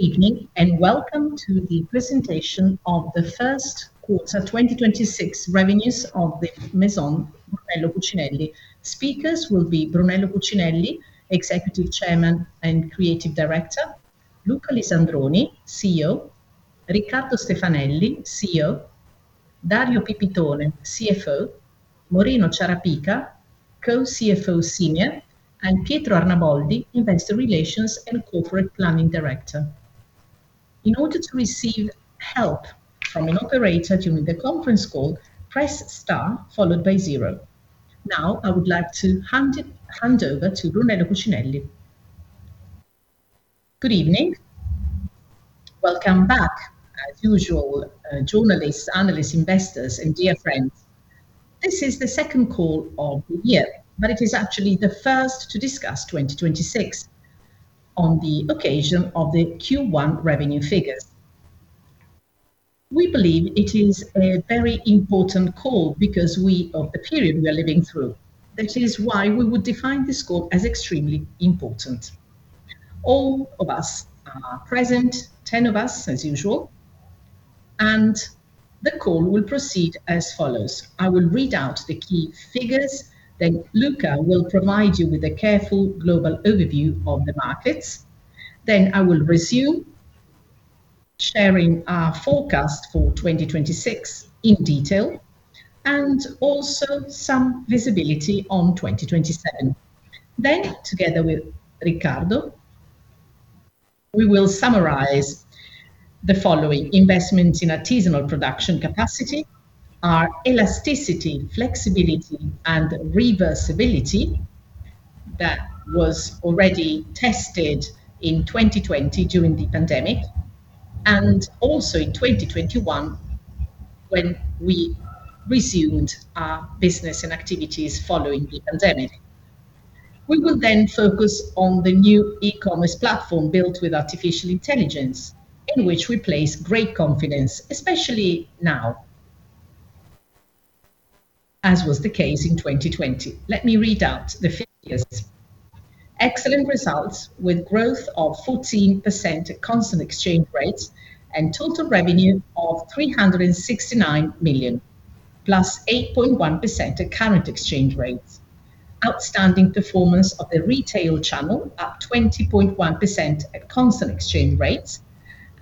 Evening and welcome to the presentation of the first quarter 2026 revenues of the Maison Brunello Cucinelli. Speakers will be Brunello Cucinelli, Executive Chairman and Creative Director, Luca Lisandroni, CEO, Riccardo Stefanelli, CEO, Dario Pipitone, CFO, Moreno Ciarapica, Co-CFO Senior, and Pietro Arnaboldi, Investor Relations and Corporate Planning Director. Now, I would like to hand over to Brunello Cucinelli. Good evening. Welcome back, as usual, journalists, analysts, investors and dear friends. This is the second call of the year, but it is actually the first to discuss 2026 on the occasion of the Q1 revenue figures. We believe it is a very important call because of the period we are living through. That is why we would define this call as extremely important. All of us are present, 10 of us as usual, and the call will proceed as follows. I will read out the key figures. Luca will provide you with a careful global overview of the markets. I will resume sharing our forecast for 2026 in detail and also some visibility on 2027. Together with Riccardo, we will summarize the following, investments in artisanal production capacity, our elasticity, flexibility and reversibility that was already tested in 2020 during the pandemic, and also in 2021 when we resumed our business and activities following the pandemic. We will then focus on the new e-commerce platform built with artificial intelligence, in which we place great confidence, especially now, as was the case in 2020. Let me read out the figures. Excellent results with growth of 14% at constant exchange rates and total revenue of 369 million, plus 8.1% at current exchange rates. Outstanding performance of the retail channel up 20.1% at constant exchange rates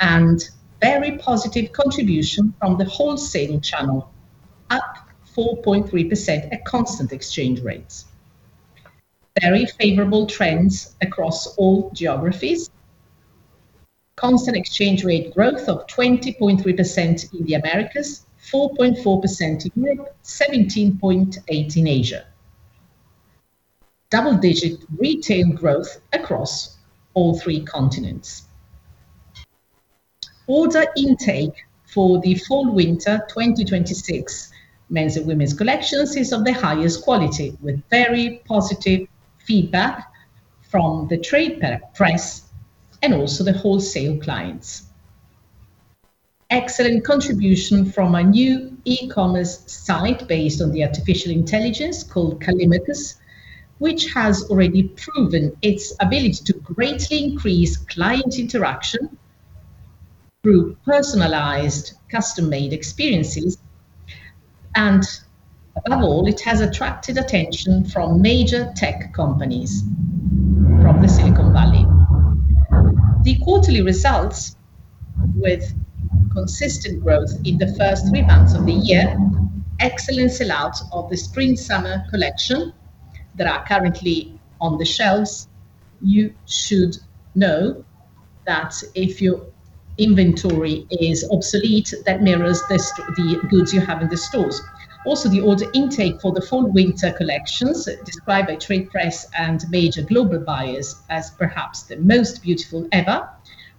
and very positive contribution from the wholesale channel, up 4.3% at constant exchange rates. Very favorable trends across all geographies. Constant exchange rate growth of 20.3% in the Americas, 4.4% in Europe, 17.8% in Asia. Double-digit retail growth across all three continents. Order intake for the fall/winter 2026 men's and women's collections is of the highest quality, with very positive feedback from the trade press and also the wholesale clients. Excellent contribution from our new e-commerce site based on the artificial intelligence called Callimachus, which has already proven its ability to greatly increase client interaction through personalized custom-made experiences, and above all, it has attracted attention from major tech companies from the Silicon Valley. The quarterly results with consistent growth in the first three months of the year, excellent sell-out of the spring/summer collection that are currently on the shelves. You should know that if your inventory is obsolete, that mirrors the goods you have in the stores. Also, the order intake for the fall/winter collections described by trade press and major global buyers as perhaps the most beautiful ever,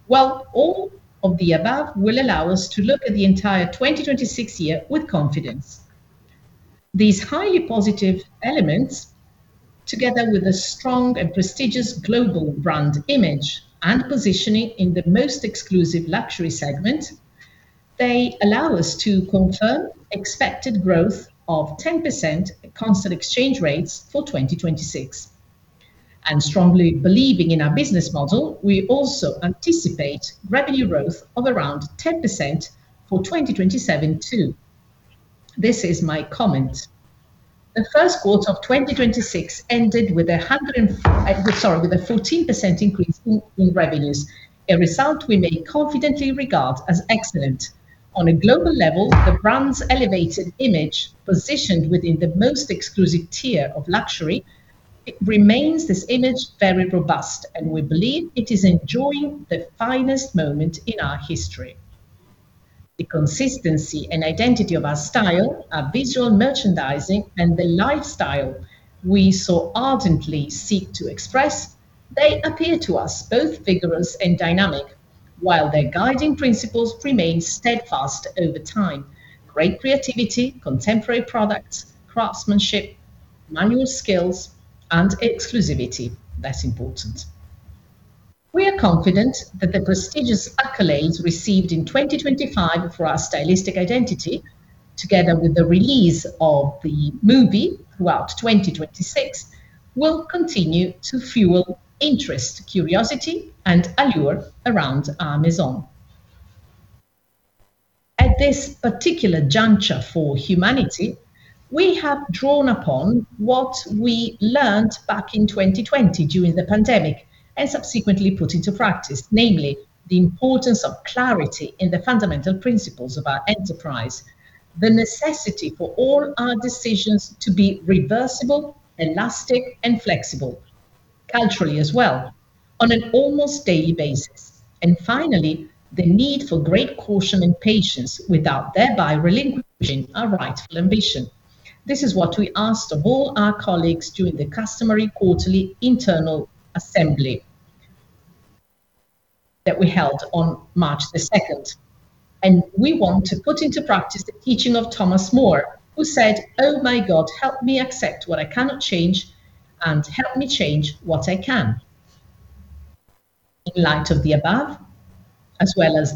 while all of the above will allow us to look at the entire 2026 year with confidence. These highly positive elements, together with a strong and prestigious global brand image and positioning in the most exclusive luxury segment. They allow us to confirm expected growth of 10% at constant exchange rates for 2026. Strongly believing in our business model, we also anticipate revenue growth of around 10% for 2027 too. This is my comment. The first quarter of 2026 ended with a 14% increase in revenues, a result we may confidently regard as excellent. On a global level, the brand's elevated image, positioned within the most exclusive tier of luxury, it remains this image very robust, and we believe it is enjoying the finest moment in our history. The consistency and identity of our style, our visual merchandising and the lifestyle we so ardently seek to express, they appear to us both vigorous and dynamic, while their guiding principles remain steadfast over time. Great creativity, contemporary products, craftsmanship, manual skills and exclusivity. That's important. We are confident that the prestigious accolades received in 2025 for our stylistic identity, together with the release of the movie throughout 2026, will continue to fuel interest, curiosity, and allure around our Maison. At this particular juncture for humanity, we have drawn upon what we learned back in 2020 during the pandemic, and subsequently put into practice, namely, the importance of clarity in the fundamental principles of our enterprise, the necessity for all our decisions to be reversible, elastic, and flexible, culturally as well, on an almost daily basis. Finally, the need for great caution and patience without thereby relinquishing our rightful ambition. This is what we asked of all our colleagues during the customary quarterly internal assembly that we held on March 2nd. We want to put into practice the teaching of Thomas More, who said, "Oh, my God, help me accept what I cannot change and help me change what I can." In light of the above, as well as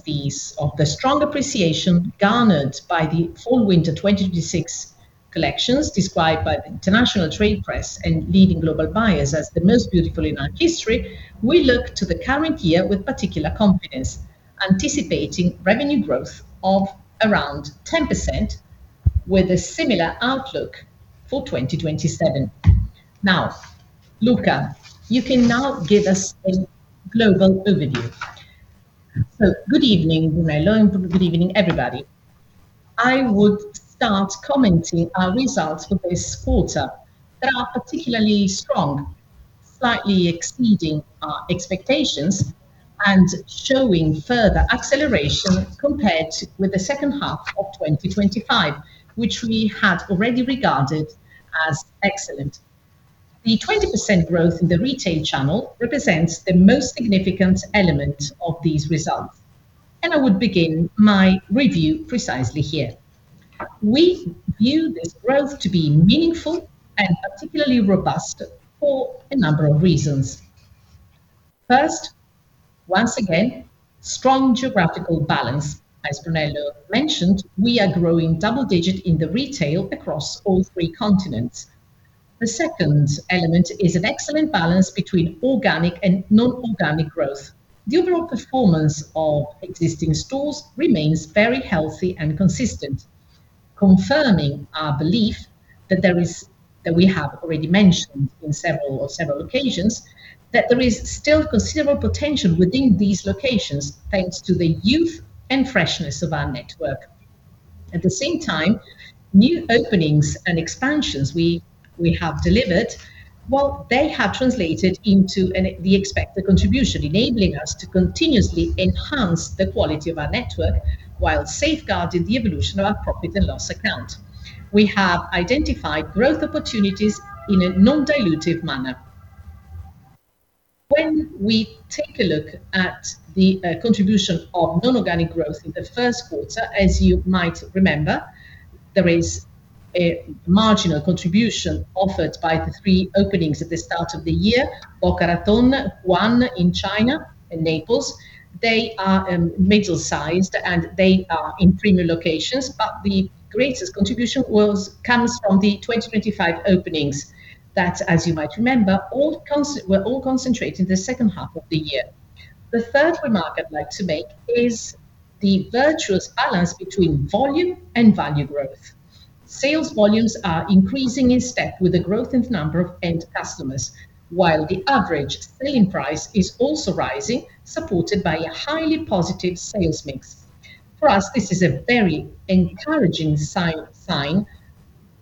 of the strong appreciation garnered by the fall/winter 2026 collections described by the international trade press and leading global buyers as the most beautiful in our history, we look to the current year with particular confidence, anticipating revenue growth of around 10% with a similar outlook for 2027. Now, Luca, you can now give us a global overview. Good evening, Brunello, and good evening, everybody. I would start commenting our results for this quarter. They are particularly strong, slightly exceeding our expectations, and showing further acceleration compared with the second half of 2025, which we had already regarded as excellent. The 20% growth in the retail channel represents the most significant element of these results, and I would begin my review precisely here. We view this growth to be meaningful and particularly robust for a number of reasons. First, once again, strong geographical balance. As Brunello mentioned, we are growing double-digit in the retail across all three continents. The second element is an excellent balance between organic and non-organic growth. The overall performance of existing stores remains very healthy and consistent, confirming our belief that we have already mentioned on several occasions, that there is still considerable potential within these locations thanks to the youth and freshness of our network. At the same time, new openings and expansions we have delivered, while they have translated into the expected contribution, enabling us to continuously enhance the quality of our network while safeguarding the evolution of our profit and loss account. We have identified growth opportunities in a non-dilutive manner. When we take a look at the contribution of non-organic growth in the first quarter, as you might remember, there is a marginal contribution offered by the three openings at the start of the year, Boca Raton, one in China, in Naples. They are middle-sized, and they are in premier locations. The greatest contribution comes from the 2025 openings. That, as you might remember, were all concentrated in the second half of the year. The third remark I'd like to make is the virtuous balance between volume and value growth. Sales volumes are increasing in step with the growth in the number of end customers, while the average selling price is also rising, supported by a highly positive sales mix. For us, this is a very encouraging sign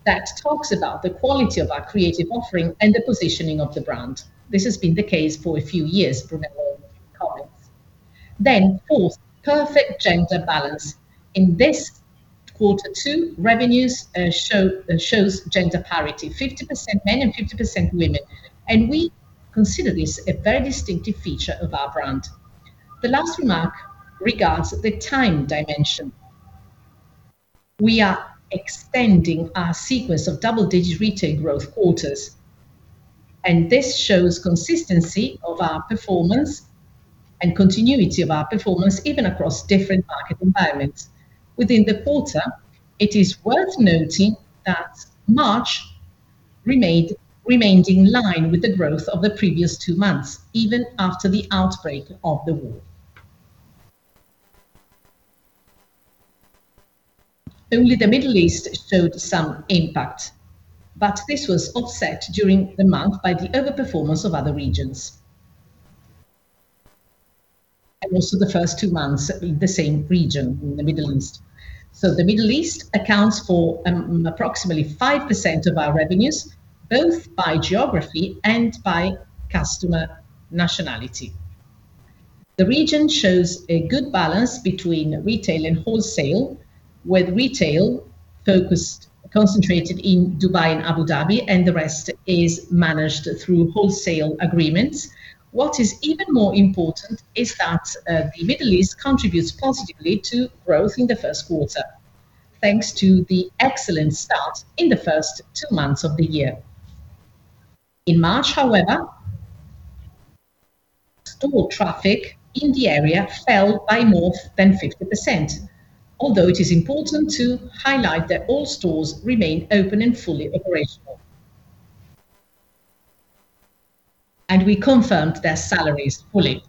that talks about the quality of our creative offering and the positioning of the brand. This has been the case for a few years, Brunello comments. Fourth, perfect gender balance. In this quarter, too, revenues shows gender parity, 50% men and 50% women. We consider this a very distinctive feature of our brand. The last remark regards the time dimension. We are extending our sequence of double-digit retail growth quarters, and this shows consistency of our performance and continuity of our performance even across different market environments. Within the quarter, it is worth noting that March remained in line with the growth of the previous two months, even after the outbreak of the war. Only the Middle East showed some impact, but this was offset during the month by the over-performance of other regions, and also the first two months in the same region, in the Middle East. The Middle East accounts for approximately 5% of our revenues, both by geography and by customer nationality. The region shows a good balance between retail and wholesale, with retail concentrated in Dubai and Abu Dhabi, and the rest is managed through wholesale agreements. What is even more important is that the Middle East contributes positively to growth in the first quarter, thanks to the excellent start in the first two months of the year. In March, however Store traffic in the area fell by more than 50%. Although it is important to highlight that all stores remain open and fully operational. We confirmed their salaries fully.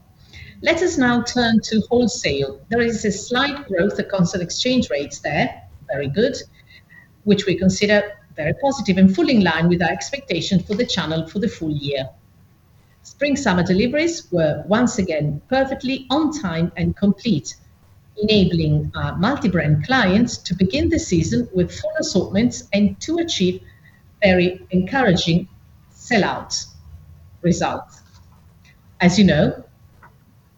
Let us now turn to wholesale. There is a slight growth at constant exchange rates there, very good, which we consider very positive and fully in line with our expectations for the channel for the full year. Spring/summer deliveries were once again perfectly on time and complete, enabling our multi-brand clients to begin the season with full assortments and to achieve very encouraging sell-out results. As you know,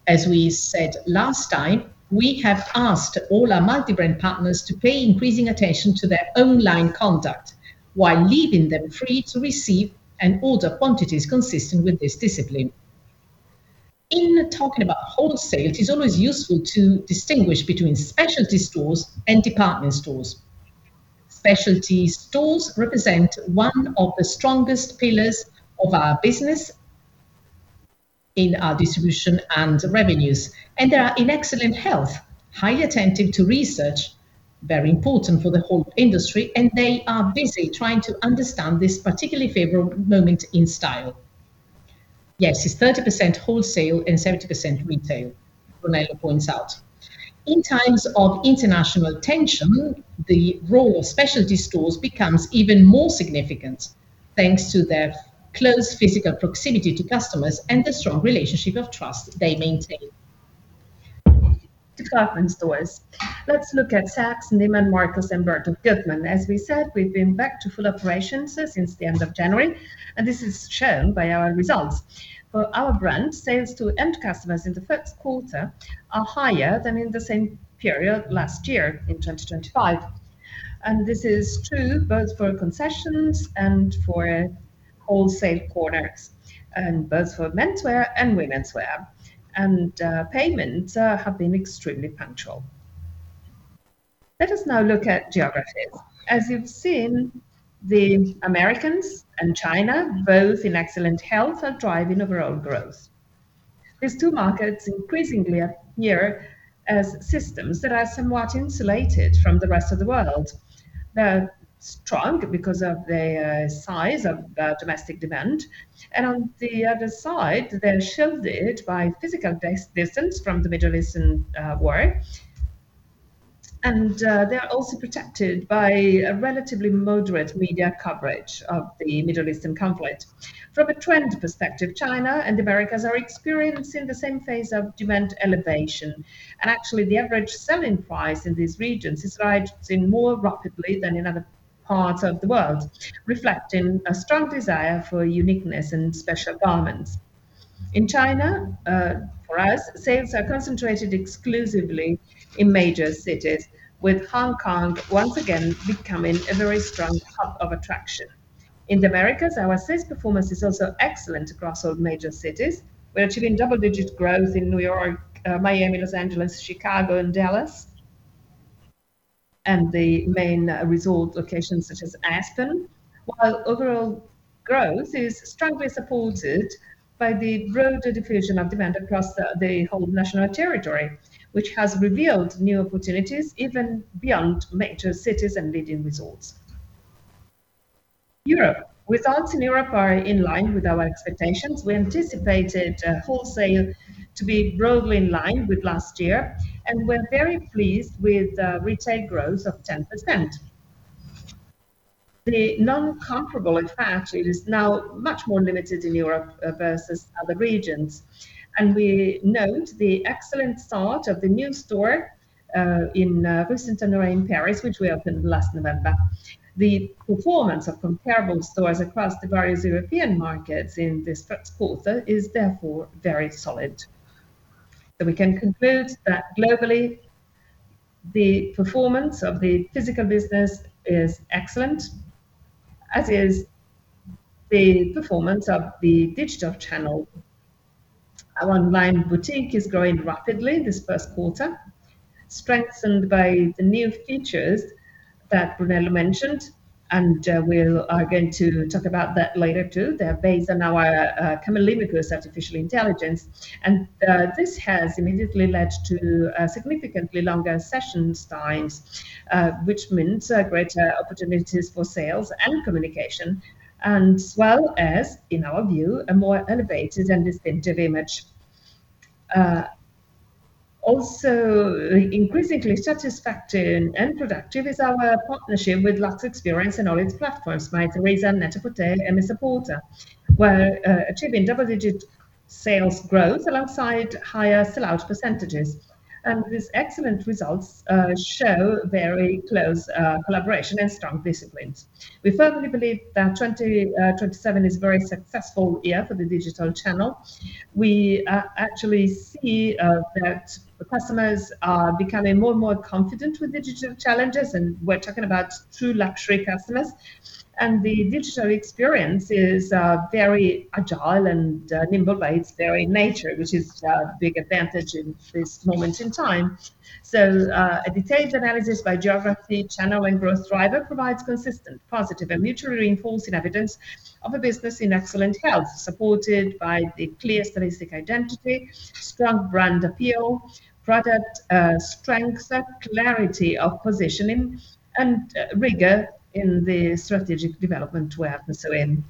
as we said last time, we have asked all our multi-brand partners to pay increasing attention to their own line conduct while leaving them free to receive and order quantities consistent with this discipline. In talking about wholesale, it is always useful to distinguish between specialty stores and department stores. Specialty stores represent one of the strongest pillars of our business in our distribution and revenues, and they are in excellent health, highly attentive to research, very important for the whole industry, and they are busy trying to understand this particularly favorable moment in style. Yes, it's 30% wholesale and 70% retail, Brunello points out. In times of international tension, the role of specialty stores becomes even more significant, thanks to their close physical proximity to customers and the strong relationship of trust they maintain. Department stores. Let's look at Saks, Neiman Marcus, and Bergdorf Goodman. As we said, we've been back to full operations since the end of January, and this is shown by our results. For our brand, sales to end customers in the first quarter are higher than in the same period last year in 2025. This is true both for concessions and for wholesale corners, and both for menswear and womenswear. Payments have been extremely punctual. Let us now look at geographies. As you've seen, the Americas and China, both in excellent health, are driving overall growth. These two markets increasingly appear as systems that are somewhat insulated from the rest of the world. They're strong because of the size of domestic demand. On the other side, they're shielded by physical distance from the Middle Eastern war. They are also protected by a relatively moderate media coverage of the Middle Eastern conflict. From a trend perspective, China and the Americas are experiencing the same phase of demand elevation. Actually, the average selling price in these regions is rising more rapidly than in other parts of the world, reflecting a strong desire for uniqueness and special garments. In China, for us, sales are concentrated exclusively in major cities, with Hong Kong once again becoming a very strong hub of attraction. In the Americas, our sales performance is also excellent across all major cities. We are achieving double-digit growth in New York, Miami, Los Angeles, Chicago, and Dallas, and the main resort locations such as Aspen, while overall growth is strongly supported by the broader diffusion of demand across the whole national territory, which has revealed new opportunities even beyond major cities and leading resorts. Europe. Results in Europe are in line with our expectations. We anticipated wholesale to be broadly in line with last year, and we're very pleased with retail growth of 10%. The non-comparable, in fact, it is now much more limited in Europe versus other regions. We note the excellent start of the new store in Rue Saint-Honoré in Paris, which we opened last November. The performance of comparable stores across the various European markets in this first quarter is therefore very solid. We can conclude that globally, the performance of the physical business is excellent, as is the performance of the digital channel. Our online boutique is growing rapidly this first quarter, strengthened by the new features that Brunello mentioned, and we are going to talk about that later too. They are based on our Callimachus's artificial intelligence, and this has immediately led to significantly longer session times, which means greater opportunities for sales and communication, as well as, in our view, a more elevated and distinctive image. Also, increasingly satisfactory and productive is our partnership with LuxExperience and all its platforms, Mytheresa, Net-a-Porter, and SSENSE, where achieving double-digit sales growth alongside higher sell-out percentages and these excellent results show very close collaboration and strong discipline. We firmly believe that 2027 is a very successful year for the digital channel. We actually see that customers are becoming more and more confident with digital channels, and we're talking about true luxury customers. The digital experience is very agile and nimble by its very nature, which is a big advantage in this moment in time. A detailed analysis by geography, channel, and growth driver provides consistent, positive, and mutually reinforcing evidence of a business in excellent health, supported by the clear stylistic identity, strong brand appeal, product strength, clarity of positioning, and rigor in the strategic development we are pursuing.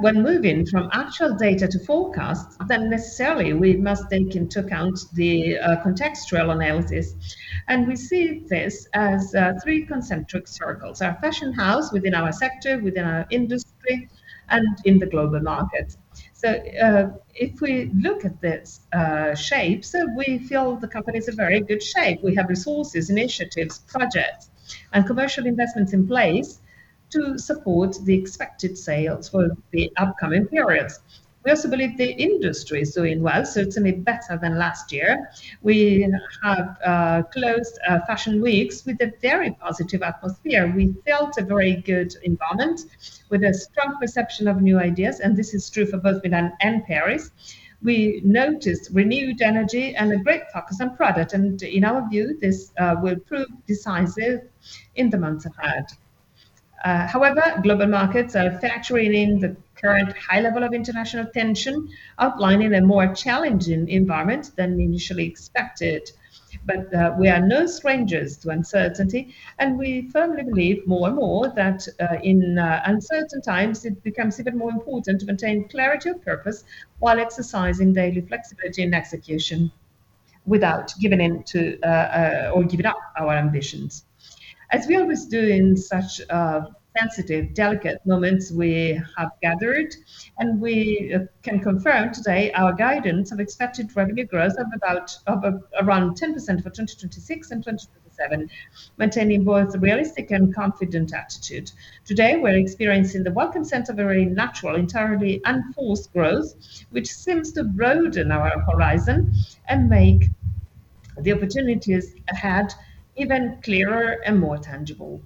When moving from actual data to forecasts, then necessarily we must take into account the contextual analysis. We see this as three concentric circles, our fashion house within our sector, within our industry, and in the global market. If we look at this shape, so we feel the company's in very good shape. We have resources, initiatives, projects, and commercial investments in place to support the expected sales for the upcoming periods. We also believe the industry is doing well, certainly better than last year. We have closed fashion weeks with a very positive atmosphere. We felt a very good environment with a strong perception of new ideas, and this is true for both Milan and Paris. We noticed renewed energy and a great focus on product. In our view, this will prove decisive in the months ahead. However, global markets are factoring in the current high level of international tension, outlining a more challenging environment than we initially expected. We are no strangers to uncertainty, and we firmly believe more and more that in uncertain times, it becomes even more important to maintain clarity of purpose while exercising daily flexibility and execution without giving in to or giving up our ambitions. As we always do in such sensitive, delicate moments, we have gathered, and we can confirm today our guidance of expected revenue growth of around 10% for 2026 and 2027, maintaining both a realistic and confident attitude. Today, we're experiencing the welcome sense of very natural, entirely unforced growth, which seems to broaden our horizon and make the opportunities ahead even clearer and more tangible.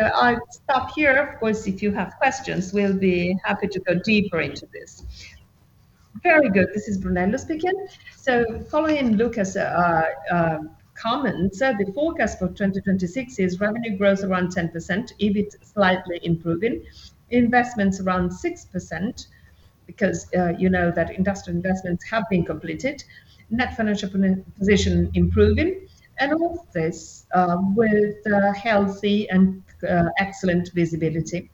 I'll stop here. Of course, if you have questions, we'll be happy to go deeper into this. Very good. This is Brunello speaking. Following Luca's comments, the forecast for 2026 is revenue growth around 10%, EBIT slightly improving, investments around 6% because you know that industrial investments have been completed, net financial position improving, and all of this with healthy and excellent visibility.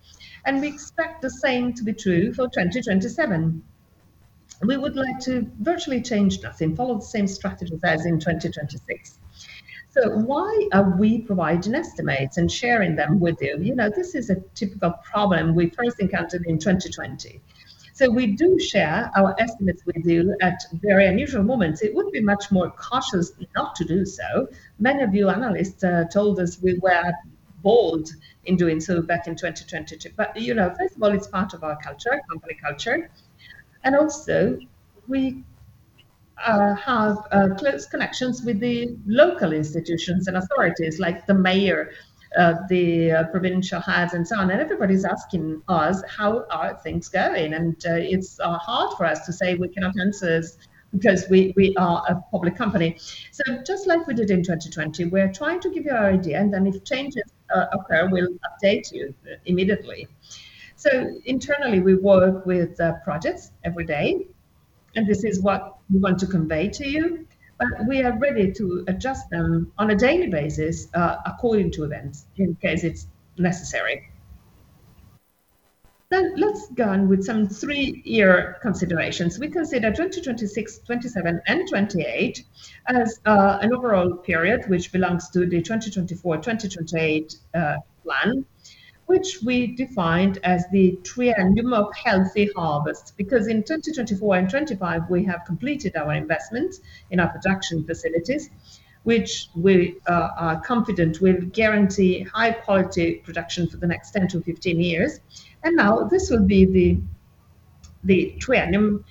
We expect the same to be true for 2027. We would like to virtually change nothing, follow the same strategies as in 2026. Why are we providing estimates and sharing them with you? This is a typical problem we first encountered in 2020. We do share our estimates with you at very unusual moments. It would be much more cautious not to do so. Many of you analysts told us we were bold in doing so back in 2022. First of all, it's part of our culture, company culture. Also we have close connections with the local institutions and authorities, like the Mayor of the provincial highs and so on. Everybody's asking us how are things going, and it's hard for us to say we cannot answer because we are a public company. Just like we did in 2020, we're trying to give you our idea, and then if changes occur, we'll update you immediately. Internally, we work with projects every day, and this is what we want to convey to you. We are ready to adjust them on a daily basis according to events in case it's necessary. Let's go on with some three-year considerations. We consider 2026, 2027, and 2028 as an overall period which belongs to the 2024-2028 plan, which we defined as the triennium of healthy harvest. Because in 2024 and 2025, we have completed our investment in our production facilities, which we are confident will guarantee high-quality production for the next 10-15 years. Now this will be the triennium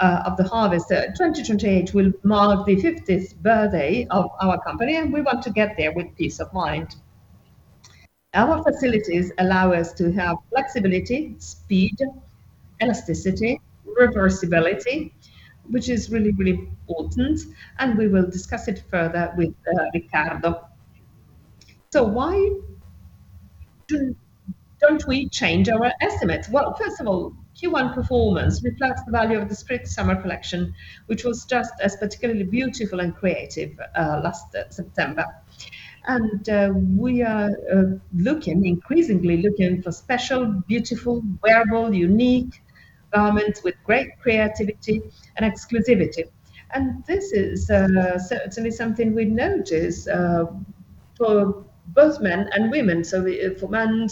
of the harvest. 2028 will mark the 50th birthday of our company, and we want to get there with peace of mind. Our facilities allow us to have flexibility, speed, elasticity, reversibility, which is really, really important, and we will discuss it further with Riccardo. Why don't we change our estimates? Well, first of all, Q1 performance reflects the value of the Spring-Summer collection, which was just as particularly beautiful and creative last September. We are increasingly looking for special, beautiful, wearable, unique garments with great creativity and exclusivity. This is certainly something we notice for both men and women. For men,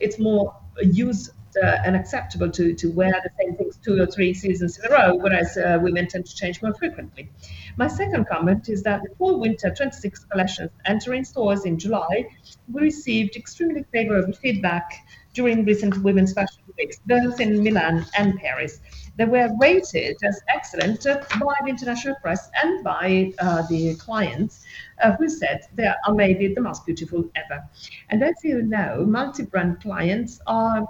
it's more used and acceptable to wear the same things two or three seasons in a row, whereas women tend to change more frequently. My second comment is that the Fall-Winter 2026 collection entering stores in July, we received extremely favorable feedback during recent women's fashion weeks, both in Milan and Paris. They were rated as excellent by the international press and by the clients who said they are maybe the most beautiful ever. As you know, multi-brand clients are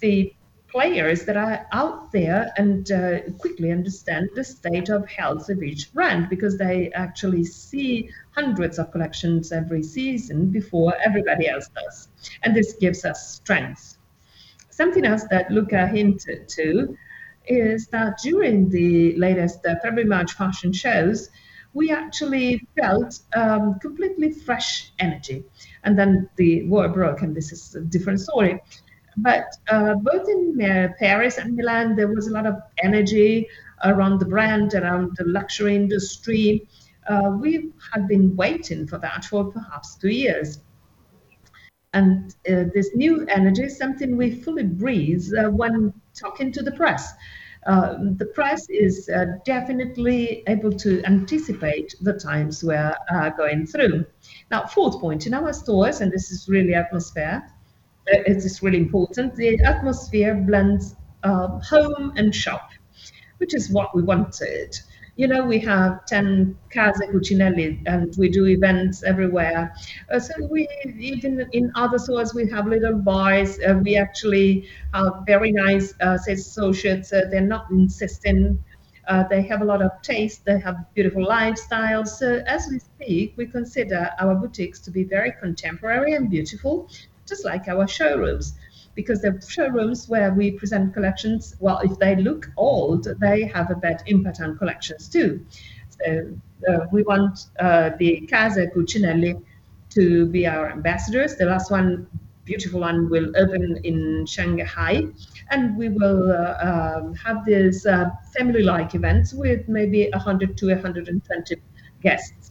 the players that are out there and quickly understand the state of health of each brand because they actually see hundreds of collections every season before everybody else does. This gives us strength. Something else that Luca hinted to is that during the latest February/March fashion shows, we actually felt completely fresh energy, and then the war broke, and this is a different story. both in Paris and Milan, there was a lot of energy around the brand, around the luxury industry. We had been waiting for that for perhaps two years. this new energy is something we fully breathe when talking to the press. The press is definitely able to anticipate the times we're going through. Now, fourth point, in our stores, and this is really atmosphere, it is really important, the atmosphere blends home and shop, which is what we wanted. We have 10 Casa Cucinelli, and we do events everywhere. even in other stores, we have little buys. We actually have very nice associates. They're not insisting. They have a lot of taste. They have beautiful lifestyles. As we speak, we consider our boutiques to be very contemporary and beautiful, just like our showrooms, because the showrooms where we present collections, well, if they look old, they have a bad impact on collections, too. We want the Casa Cucinelli to be our ambassadors. The last one, beautiful one, will open in Shanghai, and we will have these family-like events with maybe 100 to 120 guests.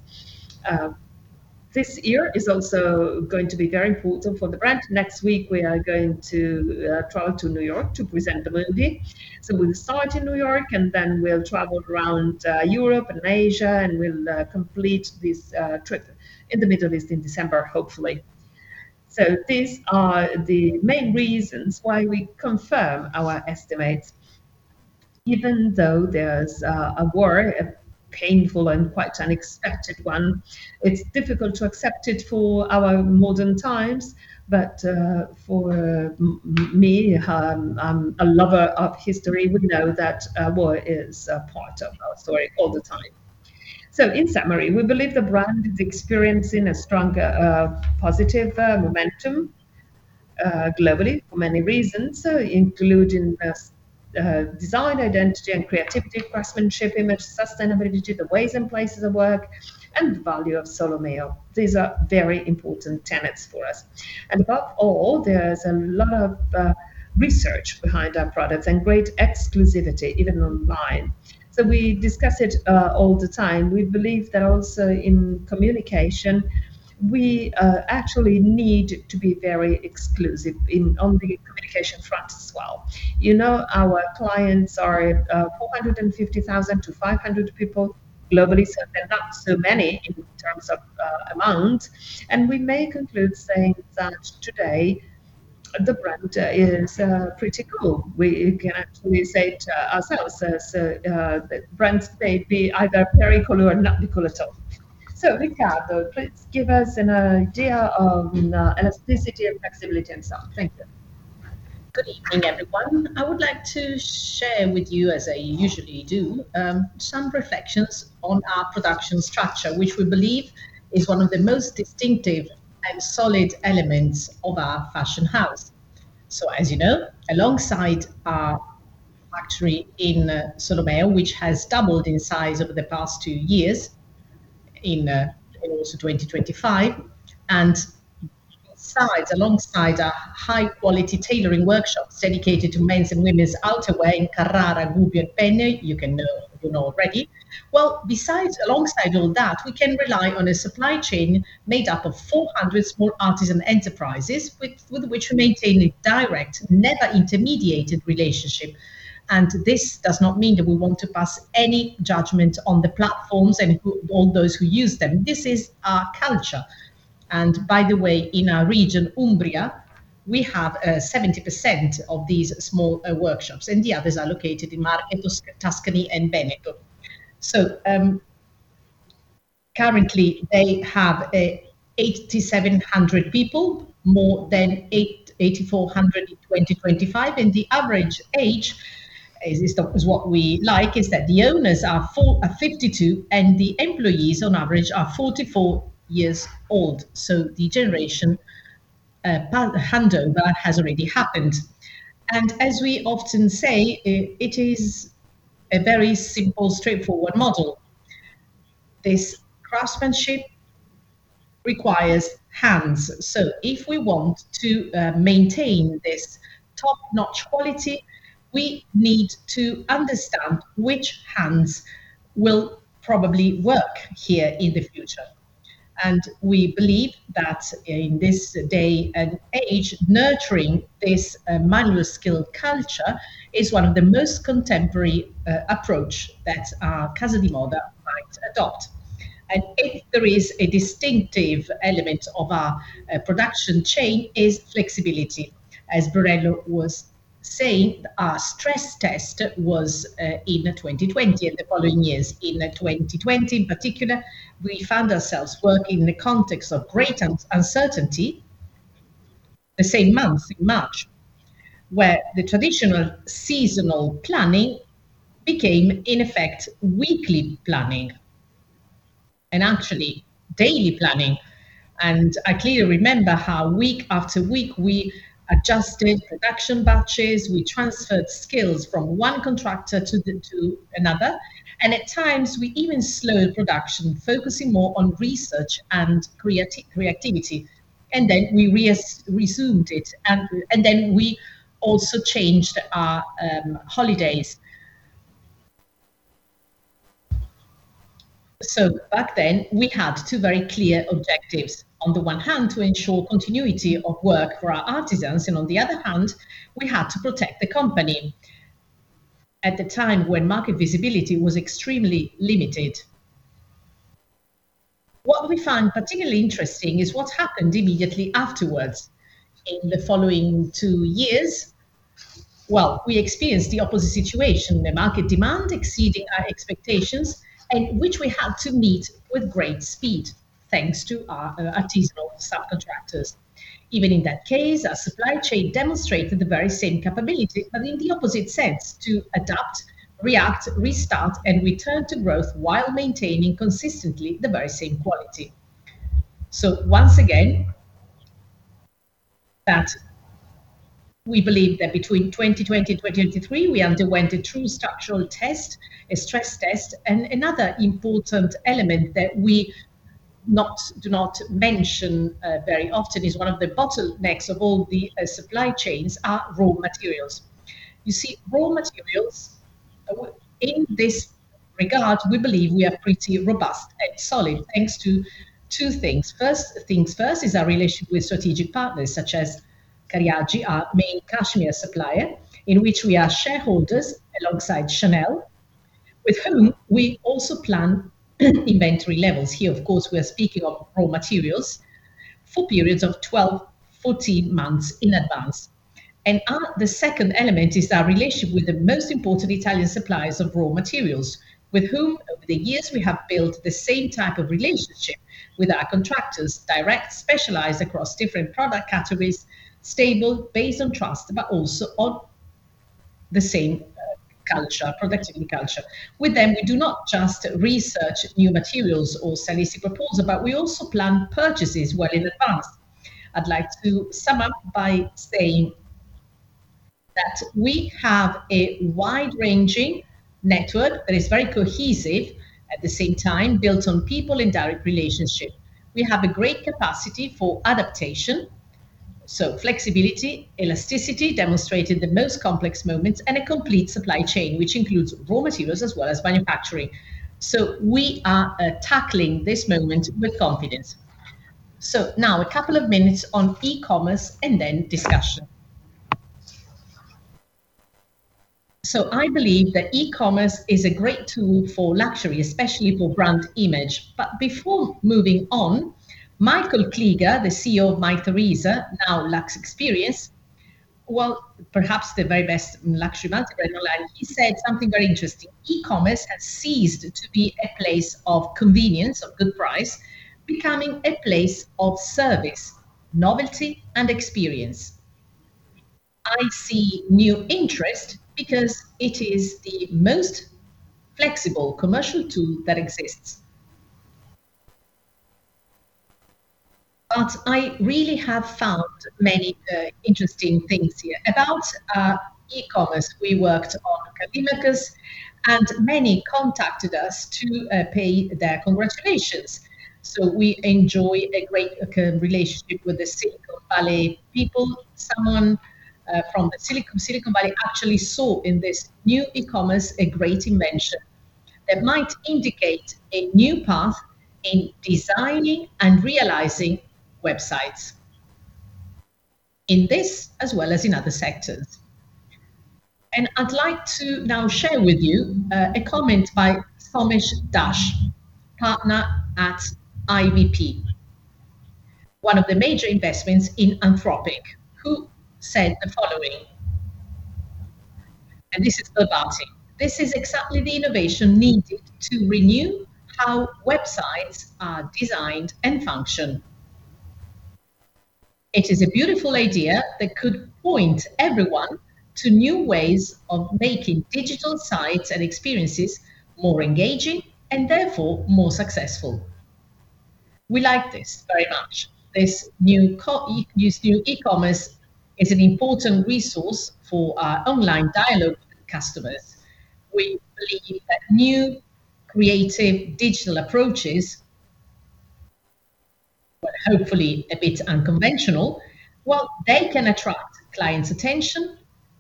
This year is also going to be very important for the brand. Next week, we are going to travel to New York to present the movie. We'll start in New York, and then we'll travel around Europe and Asia, and we'll complete this trip in the Middle East in December, hopefully. These are the main reasons why we confirm our estimates, even though there's a war, a painful and quite unexpected one. It's difficult to accept it for our modern times. For me, I'm a lover of history. We know that war is a part of our story all the time. In summary, we believe the brand is experiencing a stronger, positive momentum globally for many reasons, including design, identity and creativity, craftsmanship, image, sustainability, the ways and places of work, and the value of Solomeo. These are very important tenets for us. Above all, there's a lot of research behind our products and great exclusivity, even online. We discuss it all the time. We believe that also in communication, we actually need to be very exclusive on the communication front as well. Our clients are 450,000-500 people globally, so they're not so many in terms of amount. We may conclude saying that today, the brand is pretty cool. We can actually say it ourselves. Brands may be either very cool or not cool at all. Riccardo, please give us an idea of elasticity and flexibility and stuff. Thank you. Good evening, everyone. I would like to share with you, as I usually do, some reflections on our production structure, which we believe is one of the most distinctive and solid elements of our fashion house. As you know, alongside our factory in Solomeo, which has doubled in size over the past two years, in also 2025, and besides, alongside our high-quality tailoring workshops dedicated to men's and women's outerwear in Carrara, Gubbio, and Penne, you know already. Well, besides, alongside all that, we can rely on a supply chain made up of 400 small artisan enterprises with which we maintain a direct, never intermediated relationship. This does not mean that we want to pass any judgment on the platforms and all those who use them. This is our culture. By the way, in our region, Umbria, we have 70% of these small workshops, and the others are located in Marche, Tuscany, and Veneto. Currently they have 8,700 people, more than 8,400 in 2025, and the average age, is what we like, is that the owners are 52, and the employees on average are 44 years old. The generation handover has already happened. As we often say, it is a very simple, straightforward model. This craftsmanship requires hands. If we want to maintain this top-notch quality, we need to understand which hands will probably work here in the future. We believe that in this day and age, nurturing this manual skill culture is one of the most contemporary approach that our casa di moda might adopt. If there is a distinctive element of our production chain is flexibility. As Brunello Cucinelli was saying, our stress test was in 2020 and the following years. In 2020 in particular, we found ourselves working in the context of great uncertainty. The same month in March, where the traditional seasonal planning became, in effect, weekly planning and actually daily planning. I clearly remember how week after week, we adjusted production batches, we transferred skills from one contractor to another, and at times we even slowed production, focusing more on research and creativity. Then we resumed it, and then we also changed our holidays. Back then, we had two very clear objectives. On the one hand, to ensure continuity of work for our artisans, and on the other hand, we had to protect the company at the time when market visibility was extremely limited. What we found particularly interesting is what happened immediately afterwards in the following two years. Well, we experienced the opposite situation, the market demand exceeding our expectations and which we had to meet with great speed thanks to our artisanal subcontractors. Even in that case, our supply chain demonstrated the very same capability, but in the opposite sense, to adapt, react, restart, and return to growth while maintaining consistently the very same quality. Once again, that we believe that between 2020 to 2023, we underwent a true structural test, a stress test, and another important element that we do not mention very often is one of the bottlenecks of all the supply chains are raw materials. You see, raw materials, in this regard, we believe we are pretty robust and solid thanks to two things. First things first is our relationship with strategic partners such as Cariaggi, our main cashmere supplier, in which we are shareholders alongside Chanel, with whom we also plan inventory levels. Here, of course, we are speaking of raw materials for periods of 12-14 months in advance. The second element is our relationship with the most important Italian suppliers of raw materials, with whom over the years we have built the same type of relationship with our contractors, direct, specialized across different product categories, stable, based on trust, but also on the same culture, productivity culture. With them, we do not just research new materials or sell easy proposal, but we also plan purchases well in advance. I'd like to sum up by saying that we have a wide-ranging network that is very cohesive, at the same time, built on people in direct relationship. We have a great capacity for adaptation, so flexibility, elasticity, demonstrating the most complex moments, and a complete supply chain, which includes raw materials as well as manufacturing. We are tackling this moment with confidence. Now a couple of minutes on e-commerce and then discussion. I believe that e-commerce is a great tool for luxury, especially for brand image. Before moving on, Michael Kliger, the CEO of Mytheresa, now LuxExperience, well, perhaps the very best luxury multibrand online, he said something very interesting. "E-commerce has ceased to be a place of convenience, of good price, becoming a place of service, novelty, and experience. I see new interest because it is the most flexible commercial tool that exists." I really have found many interesting things here. About our e-commerce, we worked on Callimachus, and many contacted us to pay their congratulations. We enjoy a great relationship with the Silicon Valley people. Someone from Silicon Valley actually saw in this new e-commerce a great invention that might indicate a new path in designing and realizing websites in this as well as in other sectors. I'd like to now share with you a comment by Somesh Dash, partner at IVP, one of the major investments in Anthropic, who said the following, and this is about it: "This is exactly the innovation needed to renew how websites are designed and function. It is a beautiful idea that could point everyone to new ways of making digital sites and experiences more engaging and therefore more successful." We like this very much. This new e-commerce is an important resource for our online dialogue with customers. We believe that new creative digital approaches, well, hopefully a bit unconventional, while they can attract clients' attention,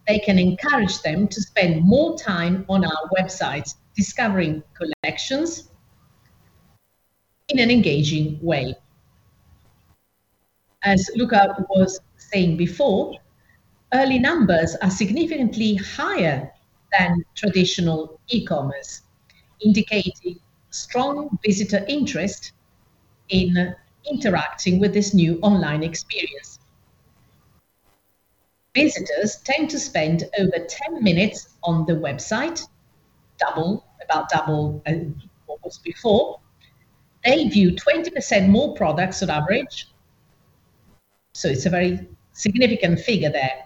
they can encourage them to spend more time on our websites discovering collections in an engaging way. As Luca was saying before, early numbers are significantly higher than traditional e-commerce, indicating strong visitor interest in interacting with this new online experience. Visitors tend to spend over 10 minutes on the website, about double than what was before. They view 20% more products on average, so it's a very significant figure there.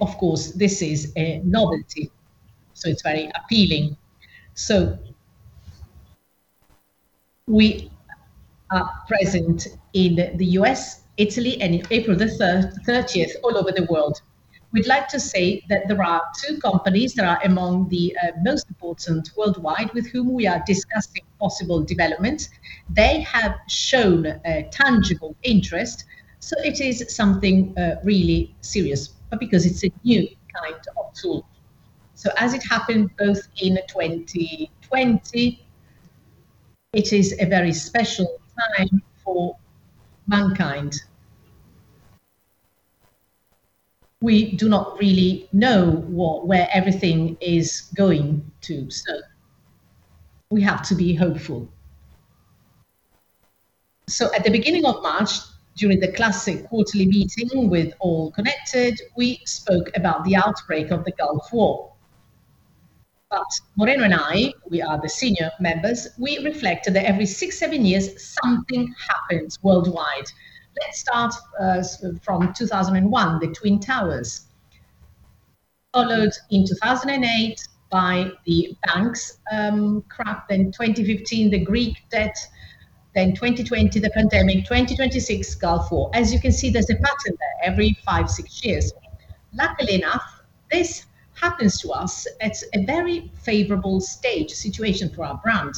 Of course, this is a novelty, so it's very appealing. We are present in the U.S., Italy, and, as of April 30th, all over the world. We'd like to say that there are two companies that are among the most important worldwide with whom we are discussing possible developments. They have shown a tangible interest, so it is something really serious because it's a new kind of tool. As it happened both in 2020, it is a very special time for mankind. We do not really know where everything is going to, so we have to be hopeful. At the beginning of March, during the classic quarterly meeting with all connected, we spoke about the outbreak of the Gulf War. Moreno and I, we are the senior members, we reflected that every 6, 7 years, something happens worldwide. Let's start from 2001, the Twin Towers. Followed in 2008 by the banks crash, then 2015, the Greek debt, then 2020, the pandemic, 2026, Gulf War. As you can see, there's a pattern there every 5, 6 years. Luckily enough, this happens to us at a very favorable stage situation for our brand.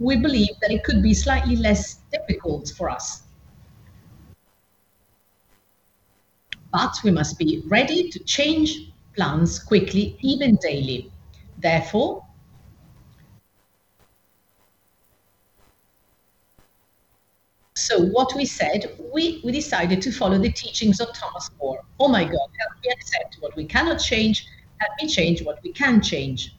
We believe that it could be slightly less difficult for us. We must be ready to change plans quickly, even daily. What we said, we decided to follow the teachings of Thomas More. Oh my God, help me accept what we cannot change, help me change what we can change.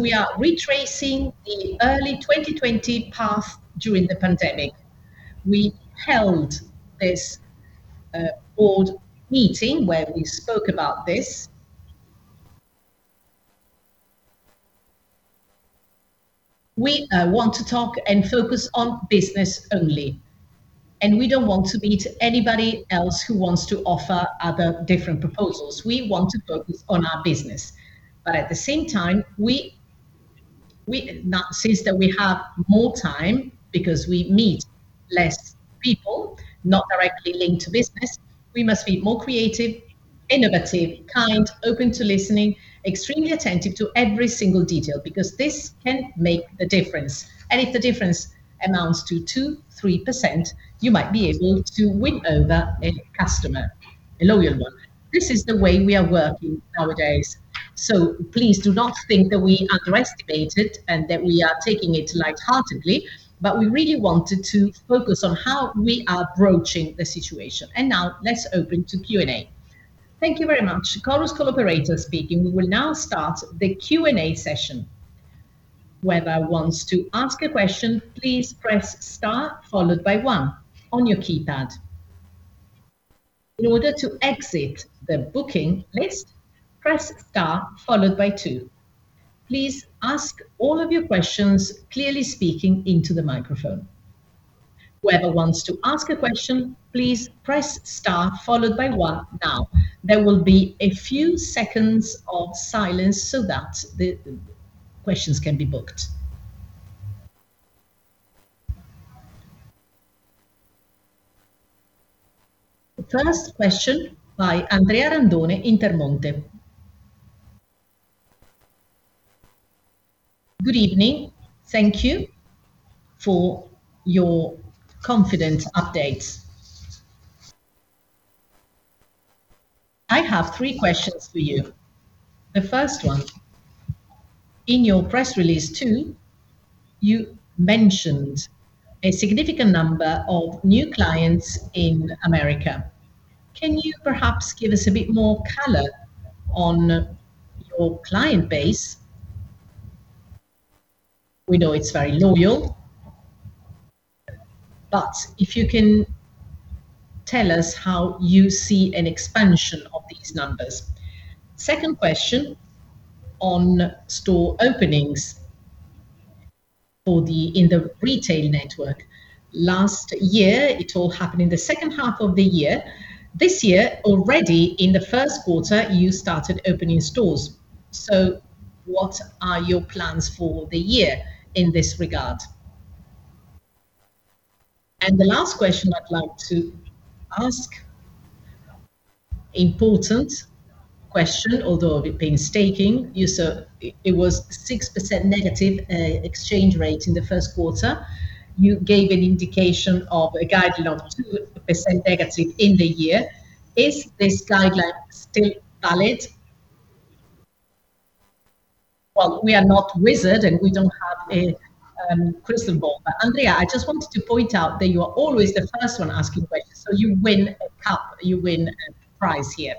We are retracing the early 2020 path during the pandemic. We held this board meeting where we spoke about this. We want to talk and focus on business only, and we don't want to meet anybody else who wants to offer other different proposals. We want to focus on our business. At the same time, since that we have more time because we meet less people, not directly linked to business, we must be more creative, innovative, kind, open to listening, extremely attentive to every single detail because this can make the difference. If the difference amounts to 2%, 3%, you might be able to win over a customer, a loyal one. This is the way we are working nowadays. Please do not think that we underestimate it and that we are taking it lightheartedly, but we really wanted to focus on how we are approaching the situation. Now let's open to Q&A. Thank you very much. The first question by Andrea Randone, Intermonte. Good evening. Thank you for your confident updates. I have three questions for you. The first one, in your press release too, you mentioned a significant number of new clients in America. Can you perhaps give us a bit more color on your client base? We know it's very loyal, but if you can tell us how you see an expansion of these numbers. Second question on store openings in the retail network. Last year, it all happened in the second half of the year. This year, already in the first quarter, you started opening stores. What are your plans for the year in this regard? The last question I'd like to ask, important question, although a bit painstaking. It was 6% negative exchange rate in the first quarter. You gave an indication of a guideline of -2% in the year. Is this guideline still valid? Well, we are not wizards and we don't have a crystal ball. Andrea, I just wanted to point out that you are always the first one asking questions, so you win a cup, you win a prize here.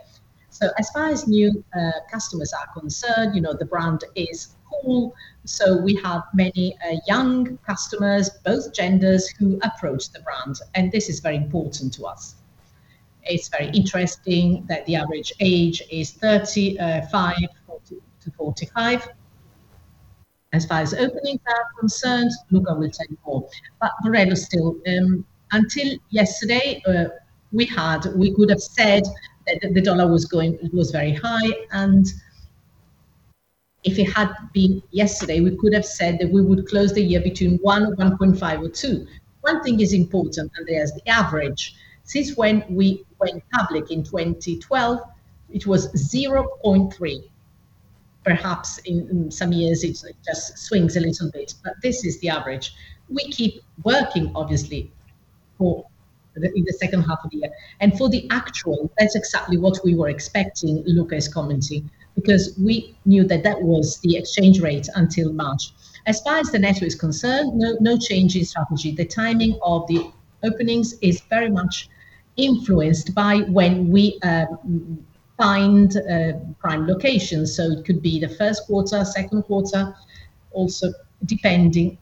As far as new customers are concerned, the brand is cool, so we have many young customers, both genders, who approach the brand. This is very important to us. It's very interesting that the average age is 35-45. As far as openings are concerned, Luca will tell you more. Brunello still, until yesterday, we could've said that the dollar was very high, and if it had been yesterday, we could have said that we would close the year between 1%, 1.5% or 2%. One thing is important, and that is the average. Since when we went public in 2012, it was 0.3. Perhaps in some years it just swings a little bit, but this is the average. We keep working, obviously, in the second half of the year. For the actual, that's exactly what we were expecting, Luca is commenting, because we knew that that was the exchange rate until March. As far as the network is concerned, no change in strategy. The timing of the openings is very much influenced by when we find prime locations. It could be the first quarter, second quarter, also depending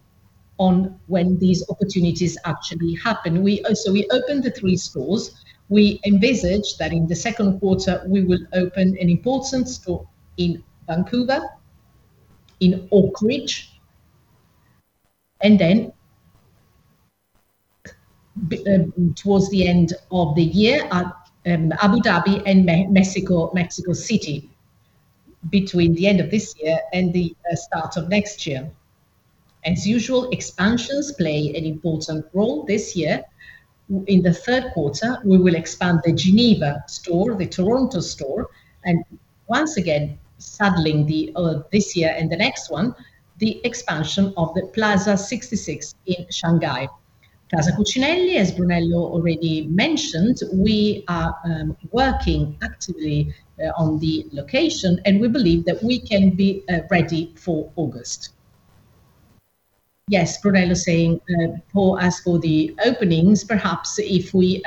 on when these opportunities actually happen. We opened the three stores. We envisage that in the second quarter, we will open an important store in Vancouver, in Oakridge, and then towards the end of the year, Abu Dhabi and Mexico City, between the end of this year and the start of next year. As usual, expansions play an important role this year. In the third quarter, we will expand the Geneva store, the Toronto store, and once again, straddling this year and the next one, the expansion of the Plaza 66 in Shanghai. Casa Cucinelli, as Brunello already mentioned, we are working actively on the location, and we believe that we can be ready for August. Yes, Brunello is saying, Paul, as for the openings, perhaps if we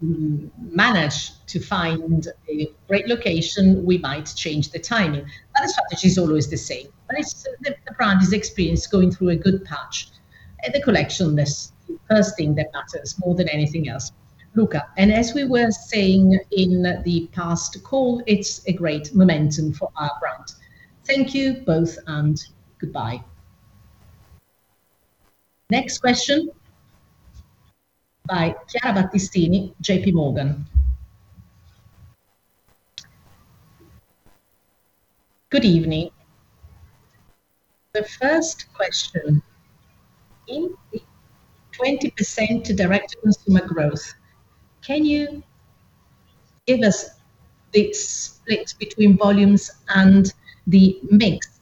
manage to find a great location, we might change the timing, but the strategy is always the same. The brand is experiencing going through a good patch. The collection, the first thing that matters more than anything else. Luca, as we were saying in the past call, it's a great momentum for our brand. Thank you both, goodbye. Next question, by Chiara Battistini, J.P. Morgan. Good evening. The first question, in the 20% direct consumer growth, can you give us the split between volumes and the mix?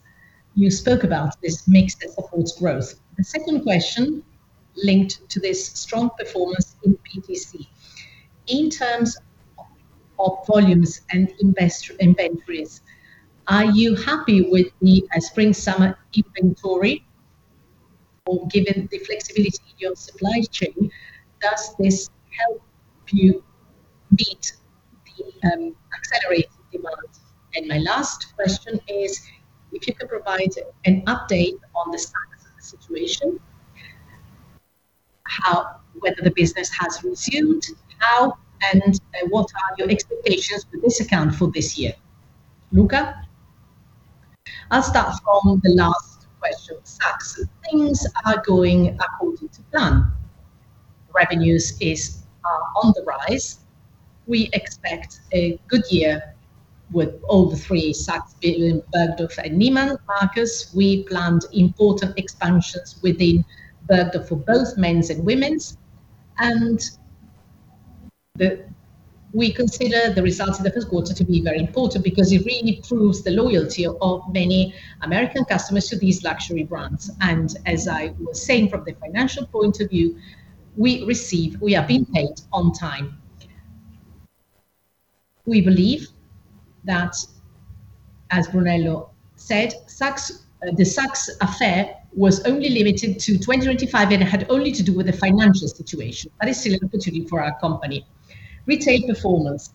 You spoke about this mix that supports growth. The second question linked to this strong performance in DTC. In terms of volumes and inventories, are you happy with the spring/summer inventory, or given the flexibility in your supply chain, does this help you meet the accelerated demand? My last question is if you can provide an update on the Saks situation, whether the business has resumed, how, and what are your expectations for this account for this year? Luca? I'll start from the last question, Saks. Things are going according to plan. Revenues is on the rise. We expect a good year with all the three Saks Fifth Avenue, Bergdorf Goodman and Neiman Marcus. We planned important expansions within Bergdorf Goodman for both men's and women's. We consider the results of the first quarter to be very important because it really proves the loyalty of many American customers to these luxury brands. As I was saying, from the financial point of view, we have been paid on time. We believe that, as Brunello Cucinelli said, the Saks Fifth Avenue affair was only limited to 2025, and it had only to do with the financial situation. That is still an opportunity for our company. Retail performance.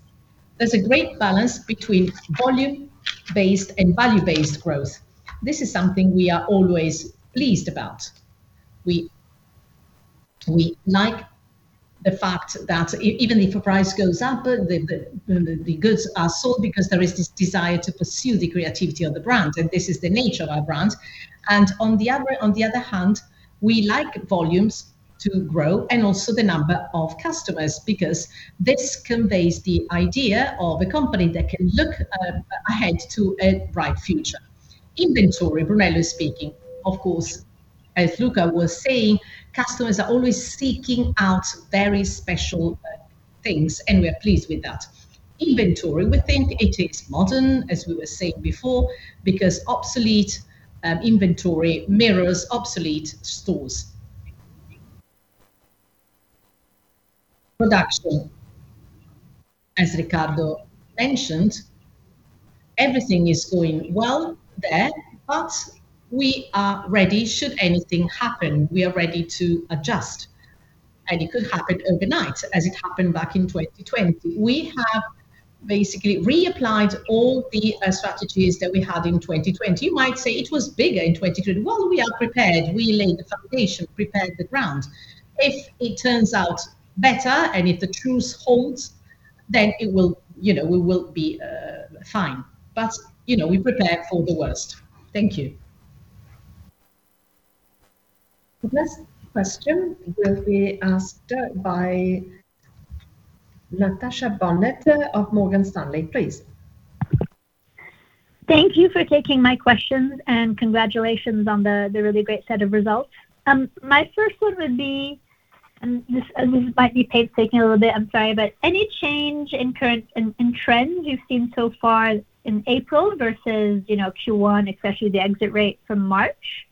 There's a great balance between volume-based and value-based growth. This is something we are always pleased about. We like the fact that even if a price goes up, the goods are sold because there is this desire to pursue the creativity of the brand, and this is the nature of our brand. On the other hand, we like volumes to grow and also the number of customers, because this conveys the idea of a company that can look ahead to a bright future. Inventory, Brunello speaking. Of course, as Luca was saying, customers are always seeking out very special things, and we're pleased with that. Inventory, we think it is modern, as we were saying before, because obsolete inventory mirrors obsolete stores. Production. As Riccardo mentioned Everything is going well there, but we are ready should anything happen. We are ready to adjust, and it could happen overnight as it happened back in 2020. We have basically reapplied all the strategies that we had in 2020. You might say it was bigger in 2020. Well, we are prepared. We laid the foundation, prepared the ground. If it turns out better, and if the truce holds, then we will be fine. But we prepared for the worst. Thank you. The next question will be asked by Natasha Bonnet of Morgan Stanley. Please. Thank you for taking my questions, and congratulations on the really great set of results. My first one would be, and this might be painstaking a little bit, I'm sorry, but any change in trends you've seen so far in April versus Q1, especially the exit rate from March?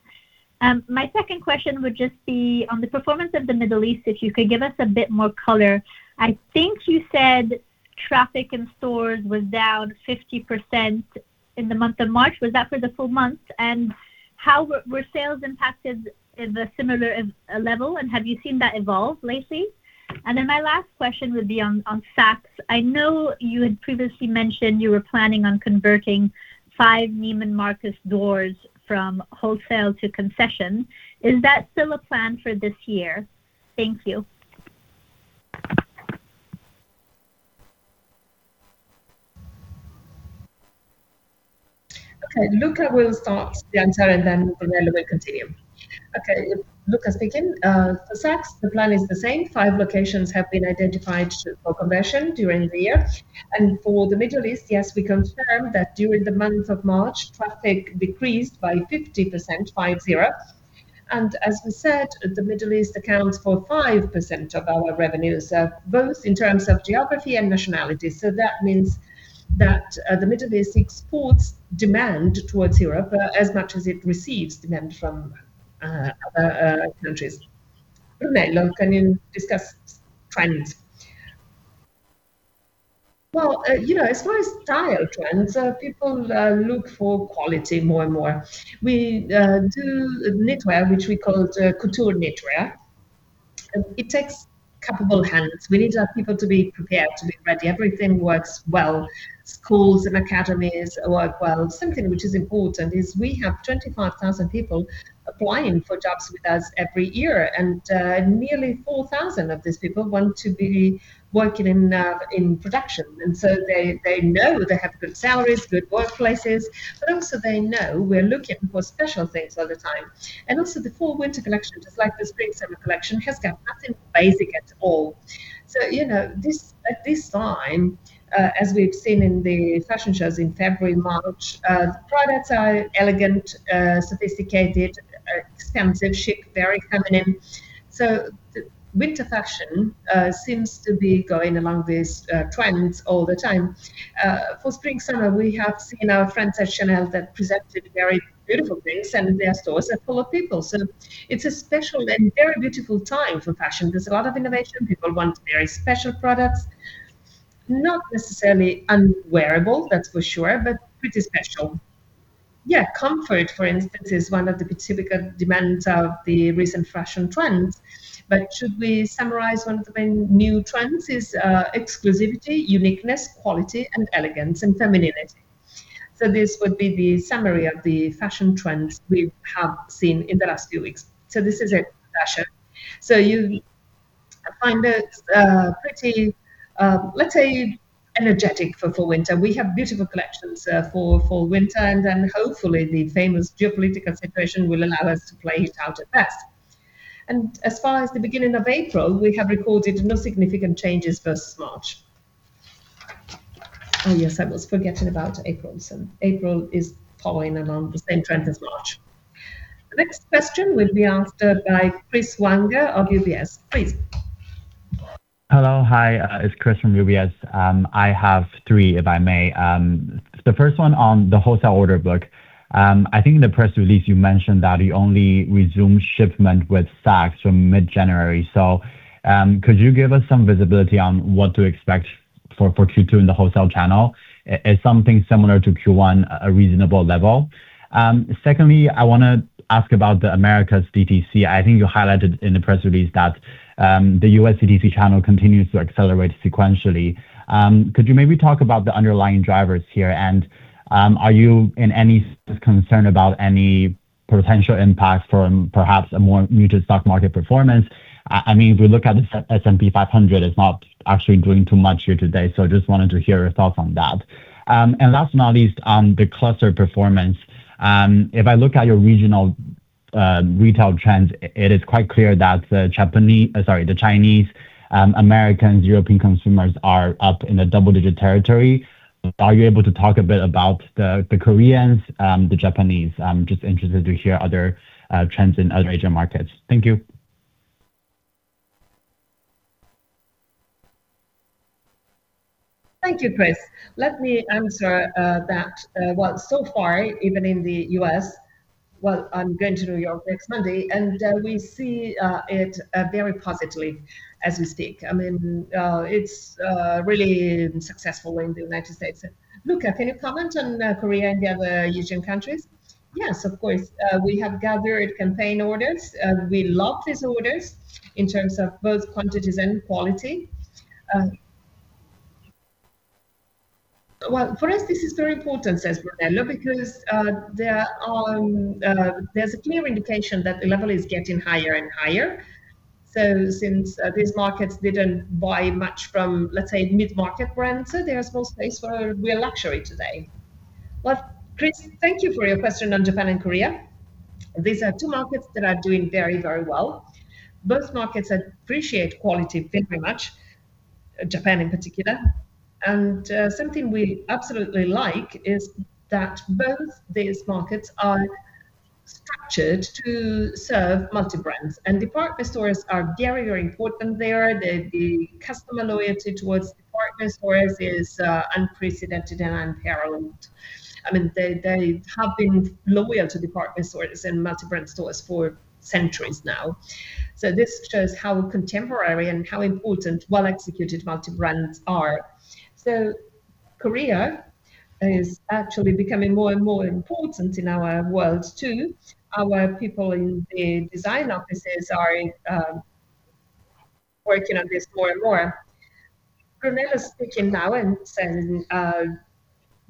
My second question would just be on the performance of the Middle East, if you could give us a bit more color. I think you said traffic in stores was down 50% in the month of March. Was that for the full month? And how were sales impacted at a similar level, and have you seen that evolve lately? And then my last question would be on Saks. I know you had previously mentioned you were planning on converting five Neiman Marcus stores from wholesale to concession. Is that still a plan for this year? Thank you. Okay. Luca will start the answer, and then Riccardo will continue. Okay, Luca speaking. For Saks, the plan is the same. Five locations have been identified for conversion during the year. For the Middle East, yes, we confirm that during the month of March, traffic decreased by 50%, 50. As we said, the Middle East accounts for 5% of our revenues, both in terms of geography and nationality. That means that the Middle East exports demand towards Europe as much as it receives demand from other countries. Riccardo, you can discuss trends. Well, as far as style trends, people look for quality more and more. We do knitwear, which we call couture knitwear. It takes capable hands. We need our people to be prepared, to be ready. Everything works well. Schools and academies work well. Something which is important is we have 25,000 people applying for jobs with us every year, and nearly 4,000 of these people want to be working in production. They know they have good salaries, good workplaces, but also they know we're looking for special things all the time. The fall/winter collection, just like the spring/summer collection, has got nothing basic at all. At this time, as we've seen in the fashion shows in February, March, the products are elegant, sophisticated, expensive, chic, very feminine. The winter fashion seems to be going among these trends all the time. For spring/summer, we have seen our friends at Chanel that presented very beautiful things, and their stores are full of people. It's a special and very beautiful time for fashion. There's a lot of innovation. People want very special products. Not necessarily unwearable, that's for sure, but pretty special. Yeah, comfort, for instance, is one of the particular demands of the recent fashion trends. should we summarize one of the main new trends is exclusivity, uniqueness, quality, and elegance, and femininity. This would be the summary of the fashion trends we have seen in the last few weeks. This is it for fashion. You find it pretty, let's say, energetic for winter. We have beautiful collections for winter, and then hopefully the famous geopolitical situation will allow us to play it out at best. As far as the beginning of April, we have recorded no significant changes versus March. Oh yes, I was forgetting about April. April is following along the same trend as March. The next question will be answered by Chris Huang of UBS. Please. Hello. Hi, it's Chris from UBS. I have three, if I may. The first one on the wholesale order book. I think in the press release you mentioned that you only resume shipment with Saks from mid-January. Could you give us some visibility on what to expect for Q2 in the wholesale channel? Is something similar to Q1 a reasonable level? Secondly, I want to ask about the Americas DTC. I think you highlighted in the press release that the U.S. DTC channel continues to accelerate sequentially. Could you maybe talk about the underlying drivers here? Are you in any concern about any potential impact from perhaps a more muted stock market performance? If we look at the S&P 500, it's not actually doing too much here today. Just wanted to hear your thoughts on that. Last but not least on the cluster performance, if I look at your regional retail trends, it is quite clear that the Chinese, Americans, European consumers are up in the double-digit territory. Are you able to talk a bit about the Koreans, the Japanese? I'm just interested to hear other trends in other Asian markets. Thank you. Thank you, Chris. Let me answer that. Well, I'm going to New York next Monday, and we see it very positively as we speak. It's really successful in the United States. Luca, can you comment on Korea and the other Asian countries? Yes, of course. We have gathered campaign orders. We love these orders in terms of both quantities and quality. Well, for us, this is very important, says Brunello, because there's a clear indication that the level is getting higher and higher. Since these markets didn't buy much from, let's say mid-market brands, there's more space for real luxury today. Well, Chris, thank you for your question on Japan and Korea. These are two markets that are doing very well. Both markets appreciate quality very much, Japan in particular. Something we absolutely like is that both these markets are structured to serve multi-brands, and department stores are very important there. The customer loyalty towards department stores is unprecedented and unparalleled. They have been loyal to department stores and multi-brand stores for centuries now. This shows how contemporary and how important well-executed multi-brands are. Korea is actually becoming more and more important in our world, too. Our people in the design offices are working on this more and more. Brunello speaking now and saying,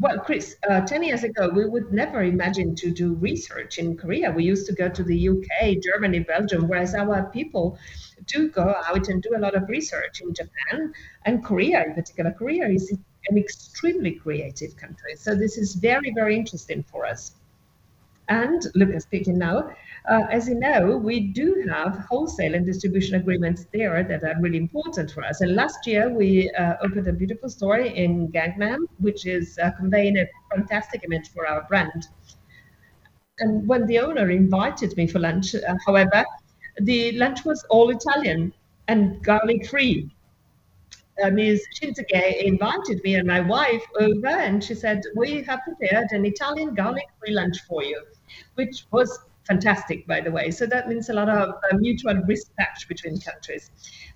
well, Chris, 10 years ago, we would never imagine to do research in Korea. We used to go to the U.K., Germany, Belgium, whereas our people do go out and do a lot of research in Japan and Korea in particular. Korea is an extremely creative country, so this is very interesting for us. Luca speaking now. As you know, we do have wholesale and distribution agreements there that are really important for us. Last year we opened a beautiful store in Gangnam, which is conveying a fantastic image for our brand. When the owner invited me for lunch, however, the lunch was all Italian and garlic-free. Ms. Shinsuke invited me and my wife over, and she said, "We have prepared an Italian garlic-free lunch for you," which was fantastic, by the way. That means a lot of mutual respect between countries.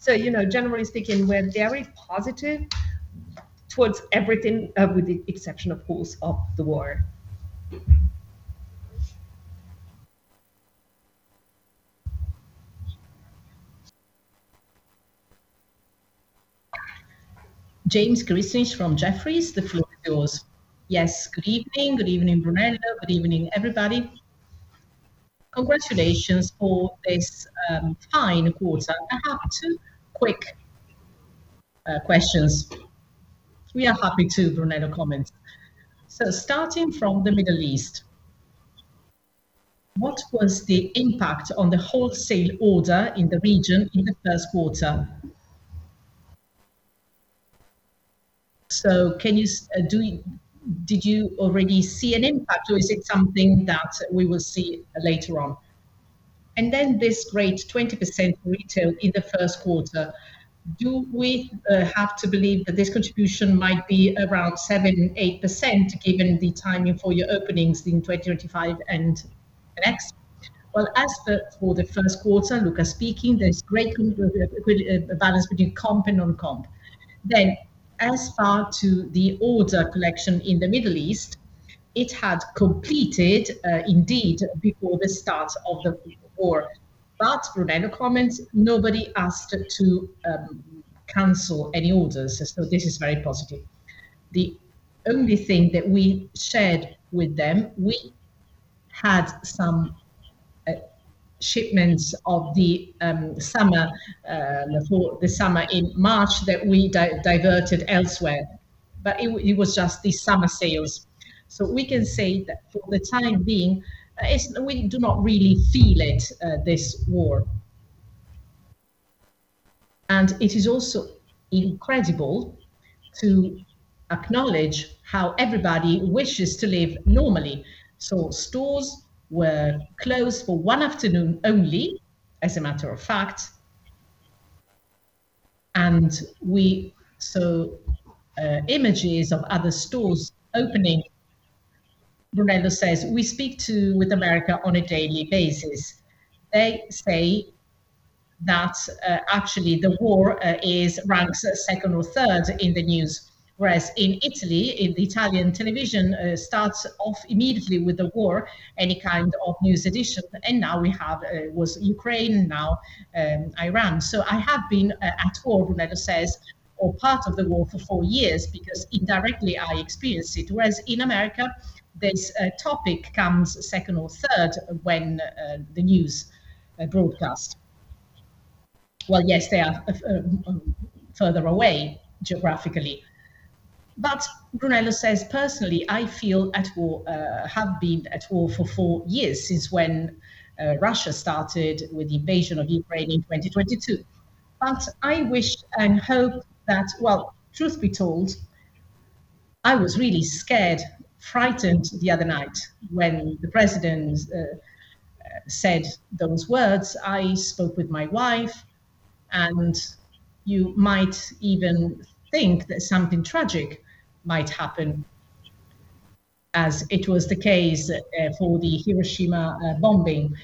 Generally speaking, we're very positive towards everything, with the exception, of course, of the war. James Grzinic from Jefferies, the floor is yours. Yes. Good evening. Good evening, Brunello. Good evening, everybody. Congratulations for this fine quarter. I have two quick questions. We are happy to, Brunello, comment. Starting from the Middle East, what was the impact on the wholesale order in the region in the first quarter? Did you already see an impact or is it something that we will see later on? This great 20% retail in the first quarter, do we have to believe that this contribution might be around 7% and 8% given the timing for your openings in 2025 and the next? Well, as for the first quarter, Luca Lisandroni speaking, there's great balance between comp and non-comp. As far as the order collection in the Middle East, it had completed indeed before the start of the war. Brunello comments, nobody asked to cancel any orders. This is very positive. The only thing that we shared with them, we had some shipments of the summer in March that we diverted elsewhere, but it was just the summer sales. We can say that for the time being, we do not really feel it, this war. It is also incredible to acknowledge how everybody wishes to live normally. Stores were closed for one afternoon only, as a matter of fact, and we saw images of other stores opening. Brunello says, we speak with America on a daily basis. They say that actually the war ranks second or third in the news, whereas in Italy, the Italian television starts off immediately with the war, any kind of news edition. Now we have, was Ukraine, now Iran. I have been at war, Brunello says, or part of the war for four years because indirectly I experience it. Whereas in America, this topic comes second or third when the news broadcast. Well, yes, they are further away geographically. Brunello says, personally, I feel at war, have been at war for four years since when Russia started with the invasion of Ukraine in 2022. I wish and hope that. Well, truth be told, I was really scared, frightened the other night when the president said those words, I spoke with my wife, and you might even think that something tragic might happen as it was the case for the Hiroshima bombing.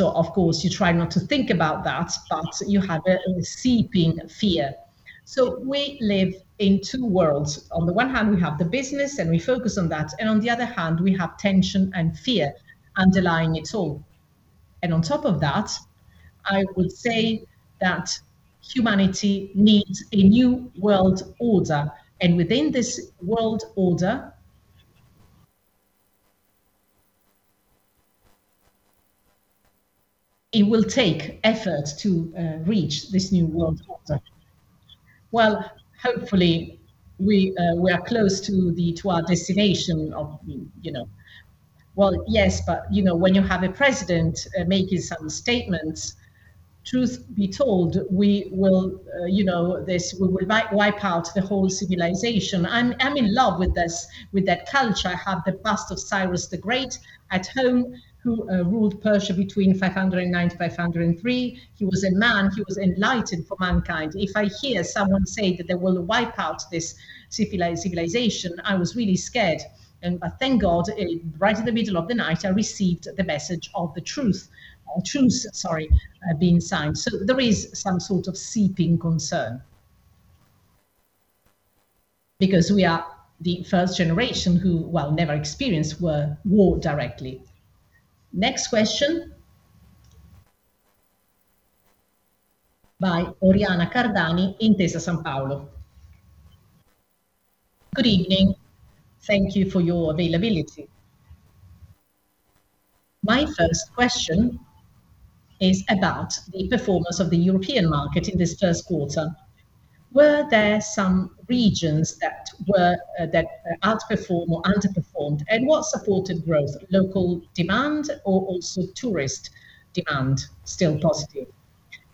Of course, you try not to think about that, but you have a seeping fear. We live in two worlds. On the one hand, we have the business, and we focus on that, and on the other hand, we have tension and fear underlying it all. On top of that, I would say that humanity needs a new world order. Within this world order, it will take effort to reach this new world order. Well, hopefully we are close to our destination. Well, yes, but when you have a president making some statements, truth be told, we will wipe out the whole civilization. I'm in love with that culture. I have the bust of Cyrus the Great at home, who ruled Persia between 590 and 530. He was a man, he was enlightened for mankind. If I hear someone say that they will wipe out this civilization, I was really scared. Thank God, right in the middle of the night, I received the message of the truce being signed. There is some sort of creeping concern because we are the first generation who have never experienced war directly. Next question by Oriana Cardani, Intesa Sanpaolo. Good evening. Thank you for your availability. My first question is about the performance of the European market in this first quarter. Were there some regions that outperformed or underperformed? What supported growth, local demand or also tourist demand still positive?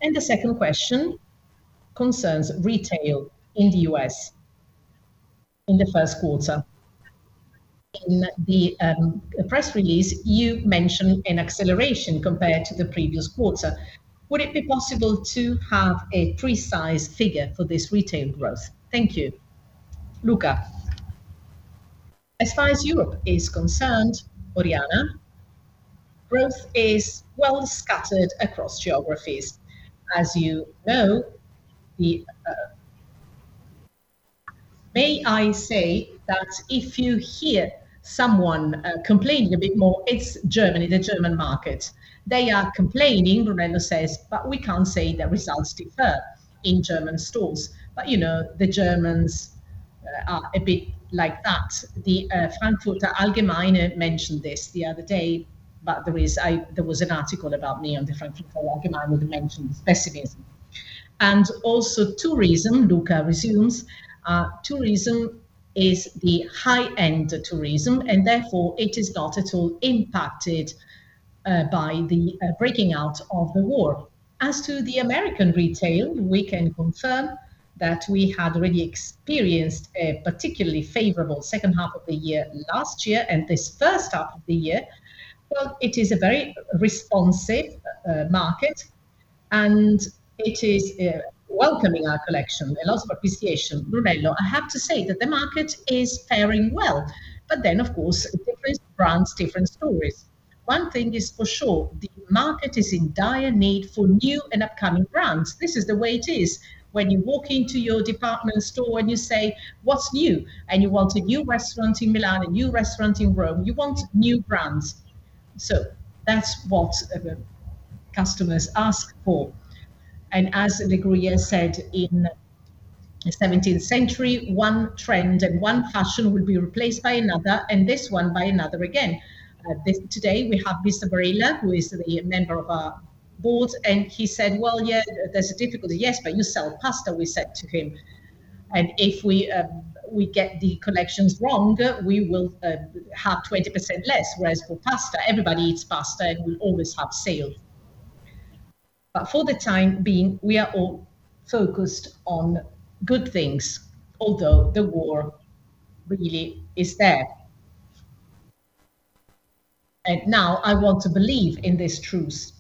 The second question concerns retail in the U.S. in the first quarter. In the press release, you mentioned an acceleration compared to the previous quarter. Would it be possible to have a precise figure for this retail growth? Thank you. Luca. As far as Europe is concerned, Oriana, growth is well scattered across geographies. As you know, the... May I say that if you hear someone complaining a bit more, it's Germany, the German market. They are complaining, Ruggero says, but we can't say the results differ in German stores. The Germans are a bit like that. The Frankfurter Allgemeine mentioned this the other day, but there was an article about me on the Frankfurter Allgemeine that mentioned pessimism. Also tourism, Luca resumes, tourism is the high-end tourism, and therefore it is not at all impacted by the breaking out of the war. As to the American retail, we can confirm that we had already experienced a particularly favorable second half of the year last year, and this first half of the year. Well, it is a very responsive market, and it is welcoming our collection with lots of appreciation. Ruggero, I have to say that the market is faring well. Of course, different brands, different stories. One thing is for sure, the market is in dire need for new and upcoming brands. This is the way it is. When you walk into your department store and you say, "What's new?" You want a new restaurant in Milan, a new restaurant in Rome. You want new brands. That's what customers ask for. As de La Bruyère said in the 17th century, one trend and one fashion will be replaced by another, and this one by another again. Today, we have Mr. Barilla, who is the member of our board, and he said, "Well, yeah, there's a difficulty." "Yes, but you sell pasta," we said to him. If we get the collections wrong, we will have 20% less. Whereas for pasta, everybody eats pasta, and we always have sale. For the time being, we are all focused on good things, although the war really is there. Now I want to believe in this truce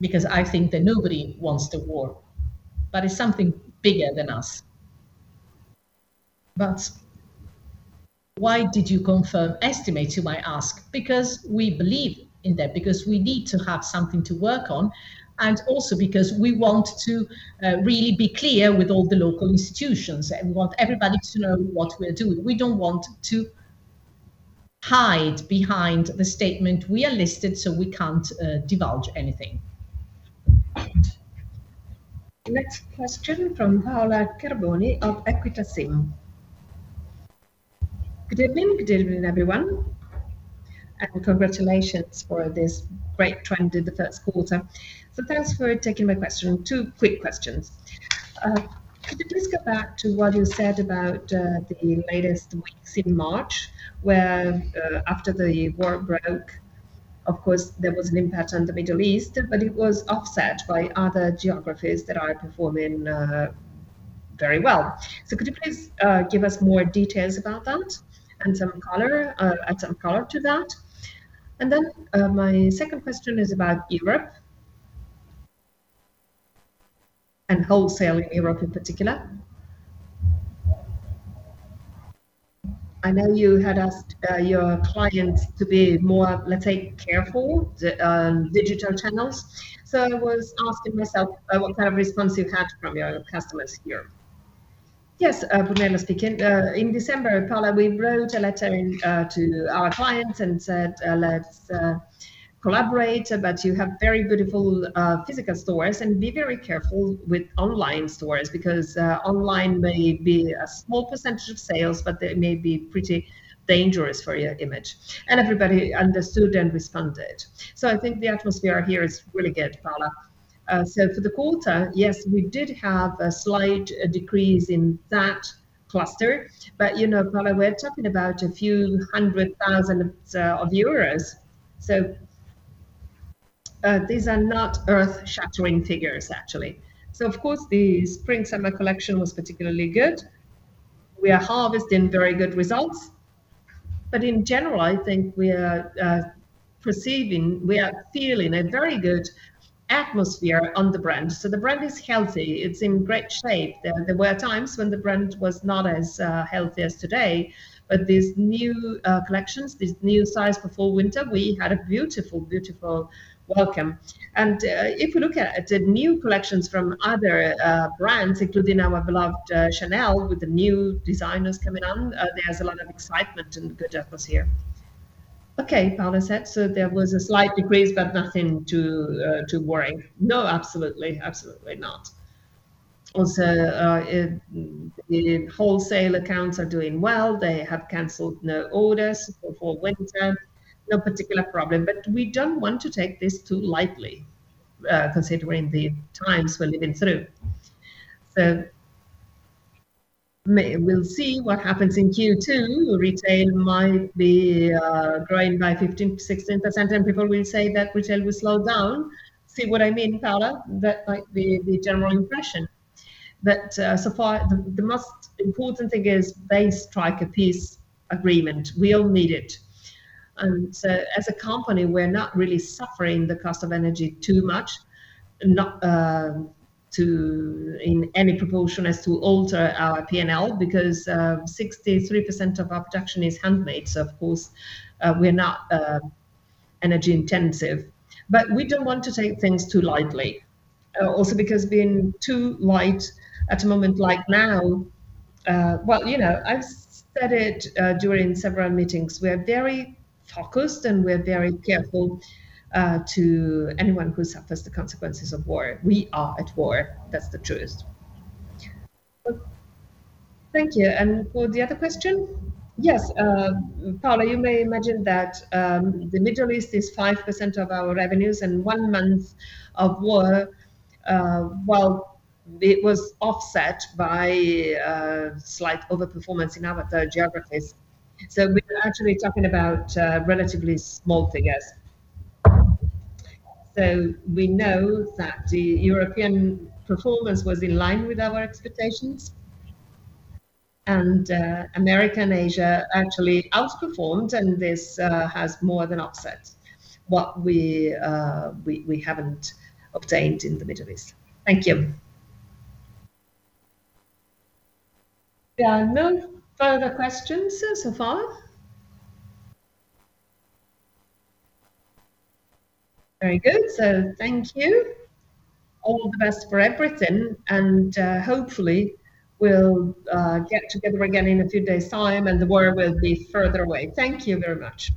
because I think that nobody wants the war, but it's something bigger than us. Why did you confirm estimates, you might ask? Because we believe in that, because we need to have something to work on, and also because we want to really be clear with all the local institutions, and we want everybody to know what we're doing. We don't want to hide behind the statement, we are listed, so we can't divulge anything. Next question from Paola Carboni of Equita SIM. Good evening. Good evening, everyone, and congratulations for this great trend in the first quarter. Thanks for taking my question. Two quick questions. Could you please go back to what you said about the latest weeks in March, where after the war broke, of course, there was an impact on the Middle East, but it was offset by other geographies that are performing. Very well. Could you please give us more details about that and add some color to that? My second question is about Europe and wholesale in Europe in particular. I know you had asked your clients to be more, let's say, careful, on digital channels. I was asking myself what kind of response you've had from your customers here. Yes, if I may, I must begin. In December, Paola, we wrote a letter to our clients and said, "Let's collaborate, but you have very beautiful physical stores, and be very careful with online stores because online may be a small percentage of sales, but they may be pretty dangerous for your image." Everybody understood and responded. I think the atmosphere here is really good, Paola. For the quarter, yes, we did have a slight decrease in that cluster. Paola, we're talking about a few hundred thousand EUR. These are not earth-shattering figures, actually. Of course, the spring/summer collection was particularly good. We are harvesting very good results. In general, I think we are perceiving, we are feeling a very good atmosphere on the brand. The brand is healthy. It's in great shape. There were times when the brand was not as healthy as today, but these new collections, this new season before winter, we had a beautiful welcome. If we look at the new collections from other brands, including our beloved Chanel, with the new designers coming on, there's a lot of excitement and good atmosphere. Okay, Paola said, so there was a slight decrease, but nothing to worry. No, absolutely not. Also, the wholesale accounts are doing well. They have canceled no orders before winter. No particular problem, but we don't want to take this too lightly, considering the times we're living through. We'll see what happens in Q2. Retail might be growing by 15%-16%, and people will say that retail will slow down. See what I mean, Paola? That might be the general impression. So far, the most important thing is they strike a peace agreement. We all need it. As a company, we're not really suffering the cost of energy too much, not in any proportion as to alter our P&L because 63% of our production is handmade. Of course, we're not energy intensive. We don't want to take things too lightly. Also because being too light at a moment like now, well, I've said it during several meetings, we're very focused, and we're very careful to anyone who suffers the consequences of war. We are at war. That's the truth. Thank you. For the other question? Yes, Paola, you may imagine that the Middle East is 5% of our revenues and one month of war, while it was offset by a slight over-performance in our other geographies. We're actually talking about relatively small figures. We know that the European performance was in line with our expectations. America and Asia actually outperformed, and this has more than offset what we haven't obtained in the Middle East. Thank you. There are no further questions so far. Very good. Thank you. All the best for everything, and hopefully we'll get together again in a few days' time and the war will be further away. Thank you very much.